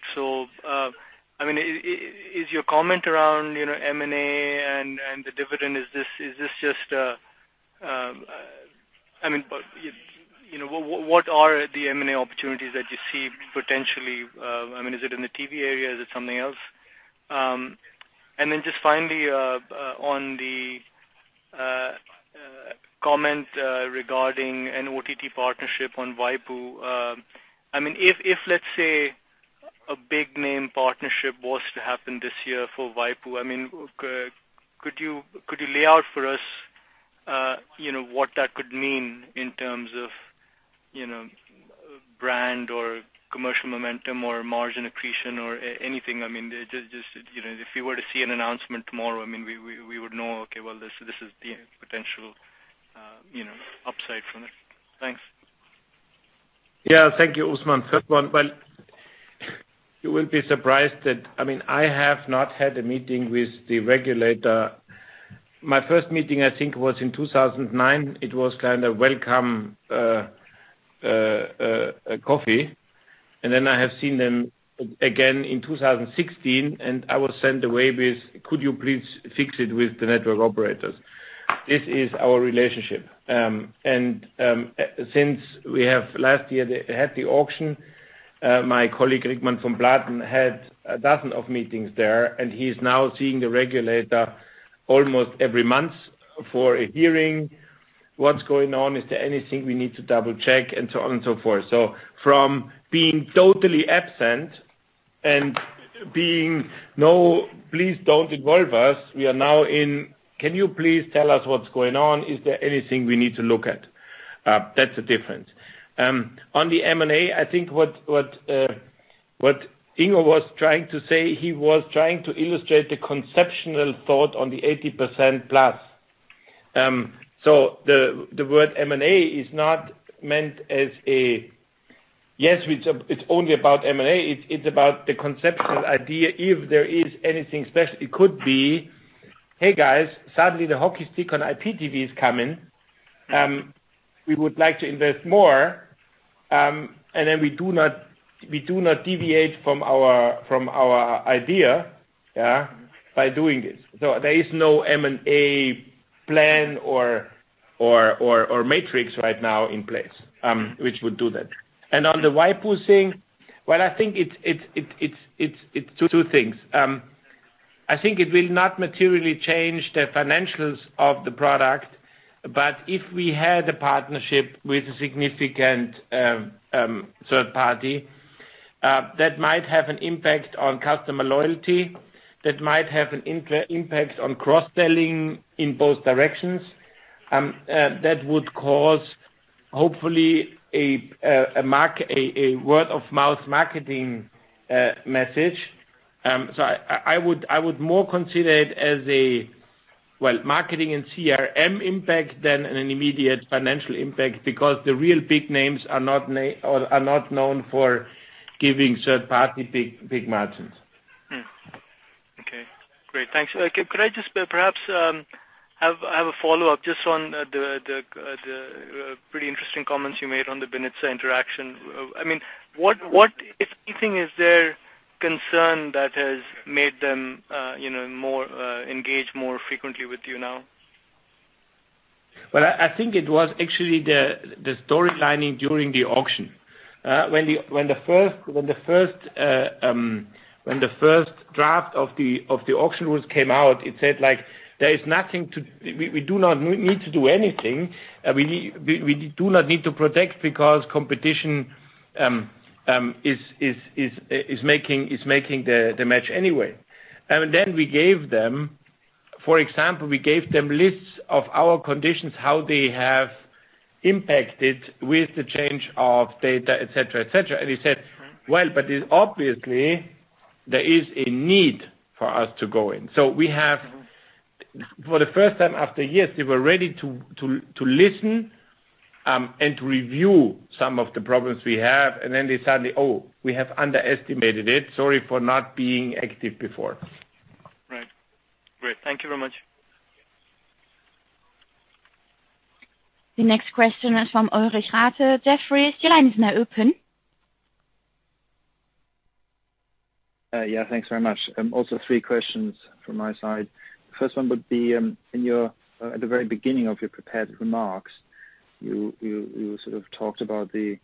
Is your comment around M&A and the dividend, what are the M&A opportunities that you see potentially? Is it in the TV area? Is it something else? Just finally, on the comment regarding an OTT partnership on waipu.tv. If, let's say a big name partnership was to happen this year for waipu.tv. Could you lay out for us what that could mean in terms of brand or commercial momentum or margin accretion or anything? If we were to see an announcement tomorrow, we would know, okay, well, this is the potential upside from it. Thanks. Thank you, Usman. First one, well, you will be surprised that I have not had a meeting with the regulator. My first meeting, I think, was in 2009. It was kind of welcome coffee. Then I have seen them again in 2016, and I was sent away with, "Could you please fix it with the network operators?" This is our relationship. Since we have last year had the auction, my colleague, Rickmann von Platen, had a dozen of meetings there, and he is now seeing the regulator almost every month for a hearing. What's going on? Is there anything we need to double-check? And so on and so forth. From being totally absent and being, "No, please don't involve us," we are now in, "Can you please tell us what's going on? Is there anything we need to look at?" That's the difference. On the M&A, I think what Ingo was trying to say, he was trying to illustrate the conceptual thought on the 80%+. The word M&A is not meant as a yes, it's only about M&A. It's about the conceptual idea. If there is anything special, it could be, "Hey guys, suddenly the hockey stick on IPTV is coming. We would like to invest more." We do not deviate from our idea by doing this. There is no M&A plan or matrix right now in place which would do that. On the waipu.tv thing, well, I think it's two things. I think it will not materially change the financials of the product, but if we had a partnership with a significant third party, that might have an impact on customer loyalty, that might have an impact on cross-selling in both directions, that would cause, hopefully, a word of mouth marketing message. I would more consider it as a marketing and CRM impact than an immediate financial impact because the real big names are not known for giving third party big margins. Okay. Great. Thanks. Could I just perhaps have a follow-up just on the pretty interesting comments you made on the BNetzA interaction. What, if anything, is their concern that has made them engage more frequently with you now? Well, I think it was actually the story lining during the auction. When the first draft of the auction rules came out, it said, we do not need to do anything. We do not need to protect because competition is making the match anyway. Then, for example, we gave them lists of our conditions, how they have impacted with the change of data, et cetera. They said, "Well, but obviously, there is a need for us to go in." We have, for the first time after years, they were ready to listen, and to review some of the problems we have, and then they suddenly, "Oh, we have underestimated it. Sorry for not being active before. Right. Great. Thank you very much. The next question is from Ulrich Rathe, Jefferies. Your line is now open. Thanks very much. Also three questions from my side. First one would be, at the very beginning of your prepared remarks, you sort of talked about the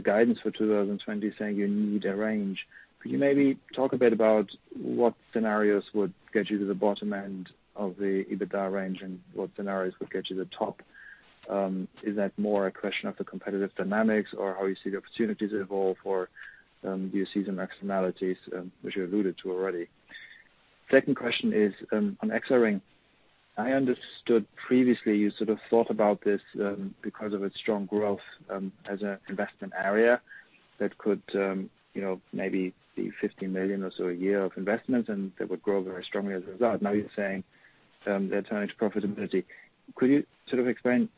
guidance for 2020, saying you need a range. Could you maybe talk a bit about what scenarios would get you to the bottom end of the EBITDA range and what scenarios would get you to the top? Is that more a question of the competitive dynamics or how you see the opportunities evolve, or do you see some externalities, which you alluded to already? Second question is, on Exaring. I understood previously you sort of thought about this because of its strong growth as an investment area that could maybe be 15 million or so a year of investment, and that would grow very strongly as a result. Now you're saying they're turning to profitability. Could you sort of explain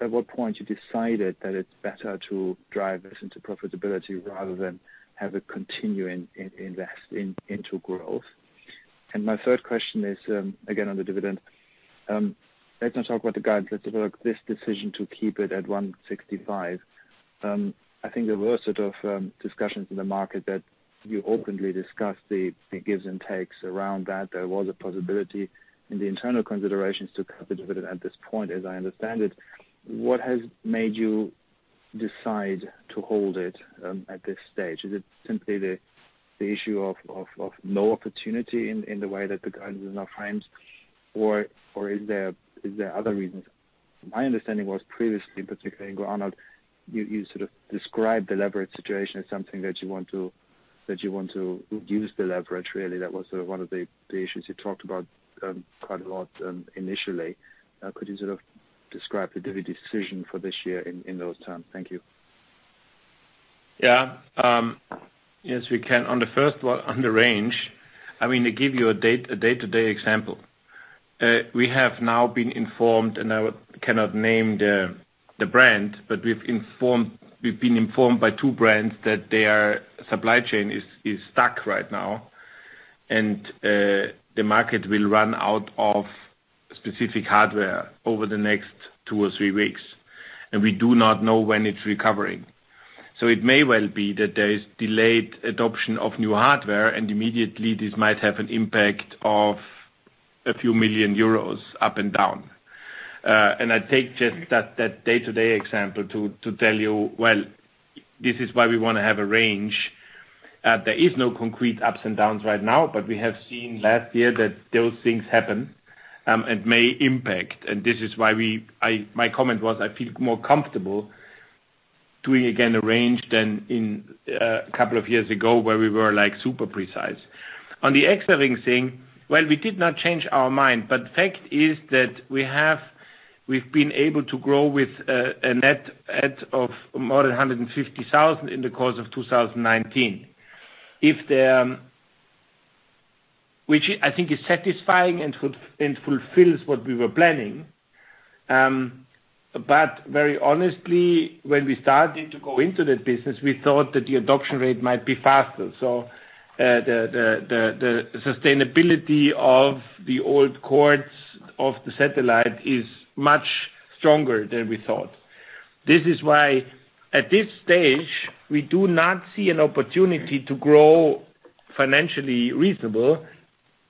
at what point you decided that it's better to drive this into profitability rather than have it continuing invest into growth? My third question is, again, on the dividend. Let's not talk about the guidance, let's talk about this decision to keep it at 1.65. I think there were sort of discussions in the market that you openly discussed the gives and takes around that. There was a possibility in the internal considerations to cut the dividend at this point, as I understand it. What has made you decide to hold it at this stage? Is it simply the issue of no opportunity in the way that the guidance is now framed, or is there other reasons? My understanding was previously, particularly Ingo Arnold, you sort of described the leverage situation as something that you want to use the leverage, really. That was one of the issues you talked about quite a lot initially. Could you sort of describe the dividend decision for this year in those terms? Thank you. Yeah. Yes, we can. On the first one, on the range, to give you a day-to-day example. We have now been informed, and I cannot name the brand, but we've been informed by two brands that their supply chain is stuck right now, and the market will run out of specific hardware over the next two or three weeks. We do not know when it's recovering. It may well be that there is delayed adoption of new hardware, and immediately this might have an impact of a few million euros up and down. I take just that day-to-day example to tell you, well, this is why we want to have a range. There is no concrete ups and downs right now, but we have seen last year that those things happen, and may impact. This is why my comment was I feel more comfortable doing again a range than in a couple of years ago where we were super precise. On the Exaring thing, well, we did not change our mind, but the fact is that we've been able to grow with a net add of more than 150,000 in the course of 2019. Which I think is satisfying and fulfills what we were planning. Very honestly, when we started to go into that business, we thought that the adoption rate might be faster. The sustainability of the old cords of the satellite is much stronger than we thought. At this stage, we do not see an opportunity to grow financially reasonable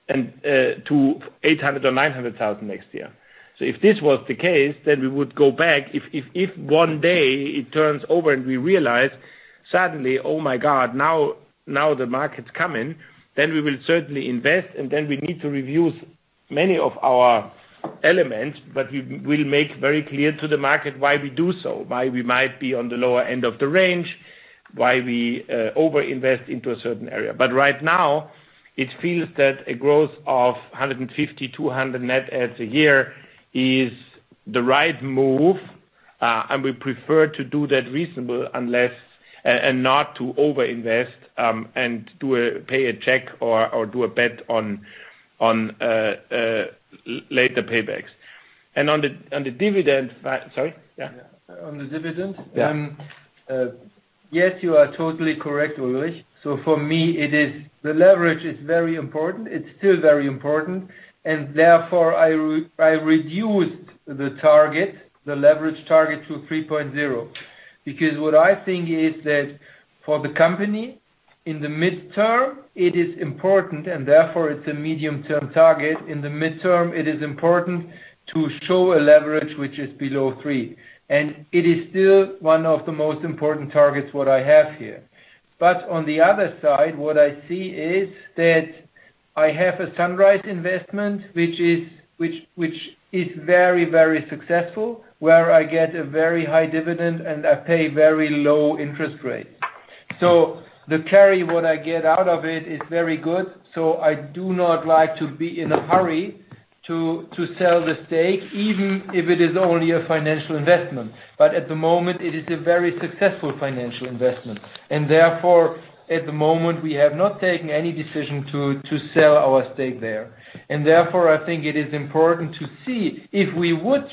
to 800,000 or 900,000 next year. If this was the case, then we would go back. If one day it turns over and we realize suddenly, "Oh my God, now the market's coming," then we will certainly invest, and then we need to review many of our elements, but we'll make very clear to the market why we do so, why we might be on the lower end of the range, why we over-invest into a certain area. Right now, it feels that a growth of 150, 200 net adds a year is the right move, and we prefer to do that reasonable and not to overinvest, and pay a check or do a bet on later paybacks. On the dividend, Sorry? Yeah. On the dividend? Yeah. Yes, you are totally correct, Ulrich. For me, the leverage is very important. It's still very important. Therefore I reduced the leverage target to 3.0. Because what I think is that for the company, in the midterm, it is important, and therefore it's a medium-term target. In the midterm, it is important to show a leverage which is below three. It is still one of the most important targets what I have here. On the other side, what I see is that I have a Sunrise investment, which is very successful, where I get a very high dividend and I pay very low interest rates. The carry what I get out of it is very good, so I do not like to be in a hurry to sell the stake, even if it is only a financial investment. At the moment, it is a very successful financial investment. Therefore, at the moment, we have not taken any decision to sell our stake there. Therefore, I think it is important to see if we would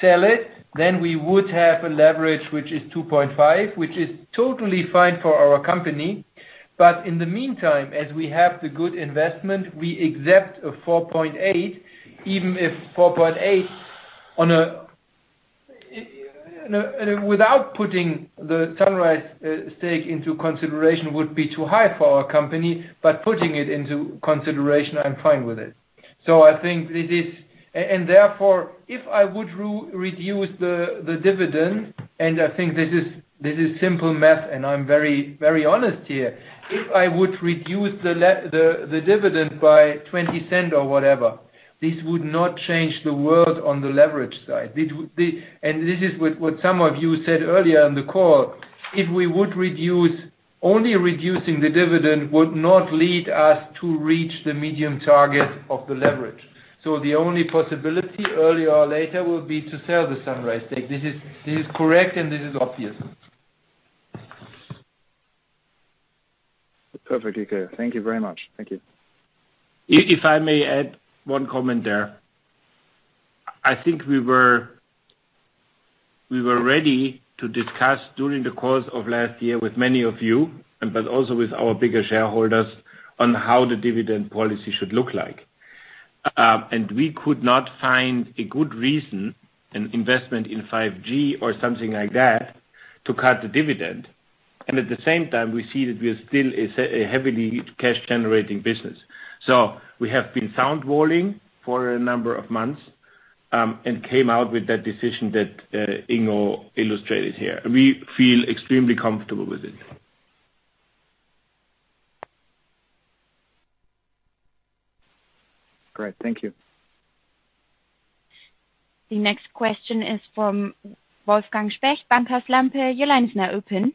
sell it, then we would have a leverage which is 2.5, which is totally fine for our company. In the meantime, as we have the good investment, we exempt a 4.8, even if 4.8 without putting the Sunrise stake into consideration would be too high for our company, but putting it into consideration, I'm fine with it. Therefore, if I would reduce the dividend, and I think this is simple math, and I'm very honest here, if I would reduce the dividend by 0.20 or whatever, this would not change the world on the leverage side. This is what some of you said earlier in the call. Only reducing the dividend would not lead us to reach the medium target of the leverage. The only possibility, earlier or later, will be to sell the Sunrise stake. This is correct, and this is obvious. Perfect. Okay. Thank you very much. Thank you. If I may add one comment there. I think we were ready to discuss during the course of last year with many of you, but also with our bigger shareholders, on how the dividend policy should look like. We could not find a good reason, an investment in 5G or something like that, to cut the dividend. At the same time, we see that we are still a heavily cash-generating business. We have been sound walling for a number of months, and came out with that decision that Ingo illustrated here. We feel extremely comfortable with it. Great. Thank you. The next question is from Wolfgang Specht, Bankhaus Lampe. Your line is now open.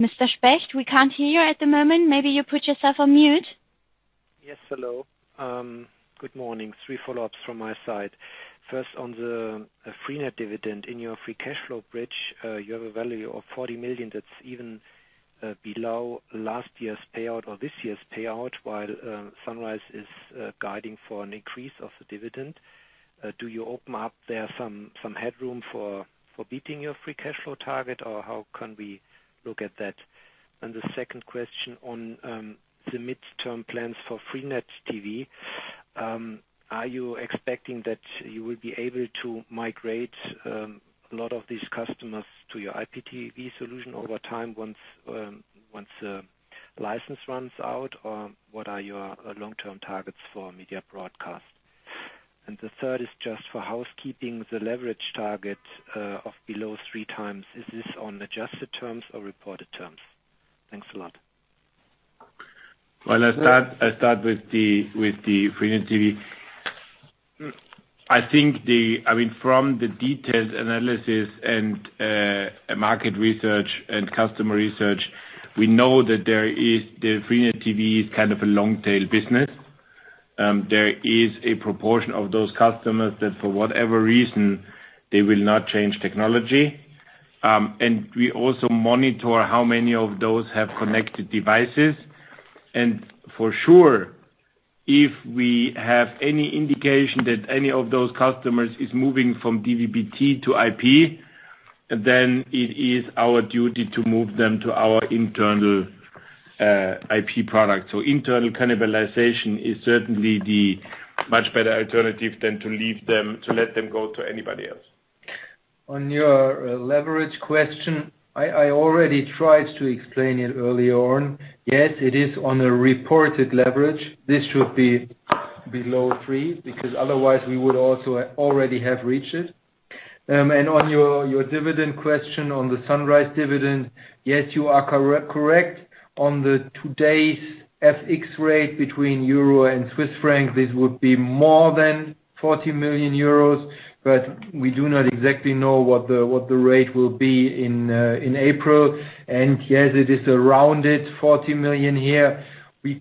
Mr. Specht, we can't hear you at the moment. Maybe you put yourself on mute? Yes. Hello. Good morning. Three follow-ups from my side. First on the freenet dividend. In your free cash flow bridge, you have a value of 40 million that is even below last year's payout or this year's payout while Sunrise is guiding for an increase of the dividend. Do you open up there some headroom for beating your free cash flow target, or how can we look at that? The second question on the midterm plans for freenet TV. Are you expecting that you will be able to migrate a lot of these customers to your IPTV solution over time once the license runs out? What are your long-term targets for Media Broadcast? The third is just for housekeeping, the leverage target of below three times. Is this on adjusted terms or reported terms? Thanks a lot. Well, I'll start with the freenet TV. From the detailed analysis and market research and customer research, we know that the freenet TV is a long tail business. There is a proportion of those customers that for whatever reason, they will not change technology. We also monitor how many of those have connected devices. For sure, if we have any indication that any of those customers is moving from DVBT to IP, then it is our duty to move them to our internal IP product. Internal cannibalization is certainly the much better alternative than to let them go to anybody else. On your leverage question, I already tried to explain it early on. Yes, it is on a reported leverage. This should be below three, because otherwise we would also already have reached it. On your dividend question on the Sunrise dividend, yes, you are correct. On today's FX rate between euro and Swiss franc, this would be more than 40 million euros. We do not exactly know what the rate will be in April. Yes, it is around 40 million here. It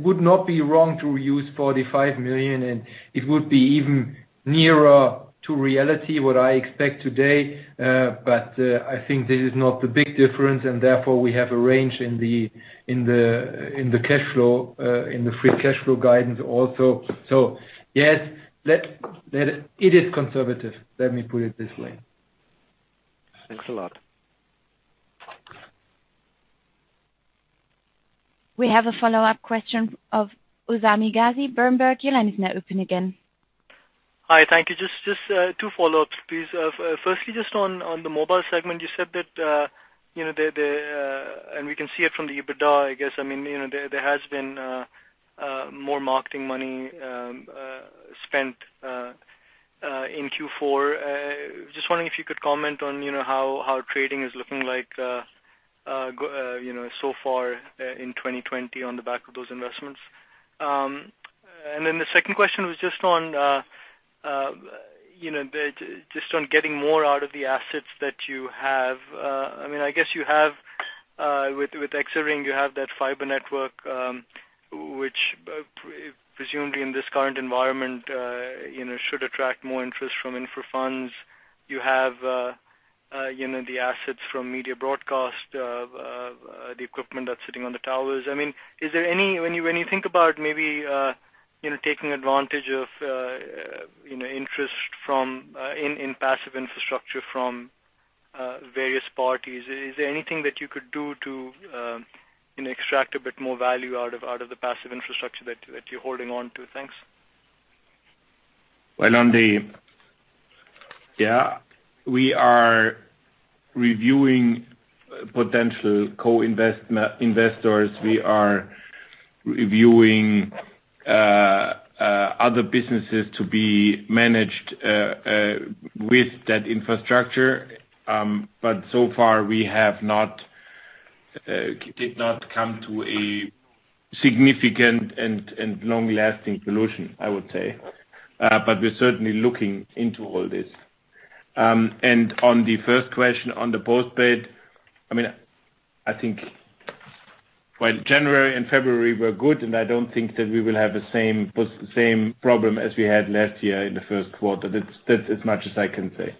would not be wrong to use 45 million. It would be even nearer to reality what I expect today. I think this is not a big difference. Therefore, we have a range in the free cash flow guidance also. Yes, it is conservative, let me put it this way. Thanks a lot. We have a follow-up question of Usman Ghazi, Berenberg. Your line is now open again. Hi. Thank you. Just two follow-ups, please. Firstly, just on the Mobile segment, you said that, and we can see it from the EBITDA, I guess, there has been more marketing money spent in Q4. Just wondering if you could comment on how trading is looking like so far in 2020 on the back of those investments. The second question was just on getting more out of the assets that you have. With Exaring, you have that fiber network, which presumably in this current environment should attract more interest from infra funds. You have the assets from Media Broadcast, the equipment that's sitting on the towers. When you think about maybe taking advantage of interest in passive infrastructure from various parties, is there anything that you could do to extract a bit more value out of the passive infrastructure that you're holding on to? Thanks. We are reviewing potential co-investors. We are reviewing other businesses to be managed with that infrastructure. So far we did not come to a significant and long-lasting solution, I would say. We're certainly looking into all this. On the first question on the postpaid, I think January and February were good, and I don't think that we will have the same problem as we had last year in the first quarter. That's as much as I can say.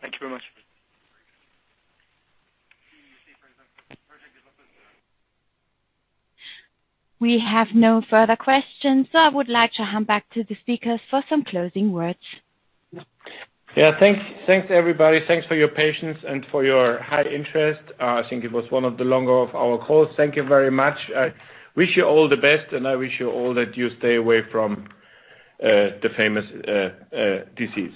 Thank you very much. We have no further questions, so I would like to hand back to the speakers for some closing words. Thanks, everybody. Thanks for your patience and for your high interest. I think it was one of the longer of our calls. Thank you very much. I wish you all the best, and I wish you all that you stay away from the famous disease.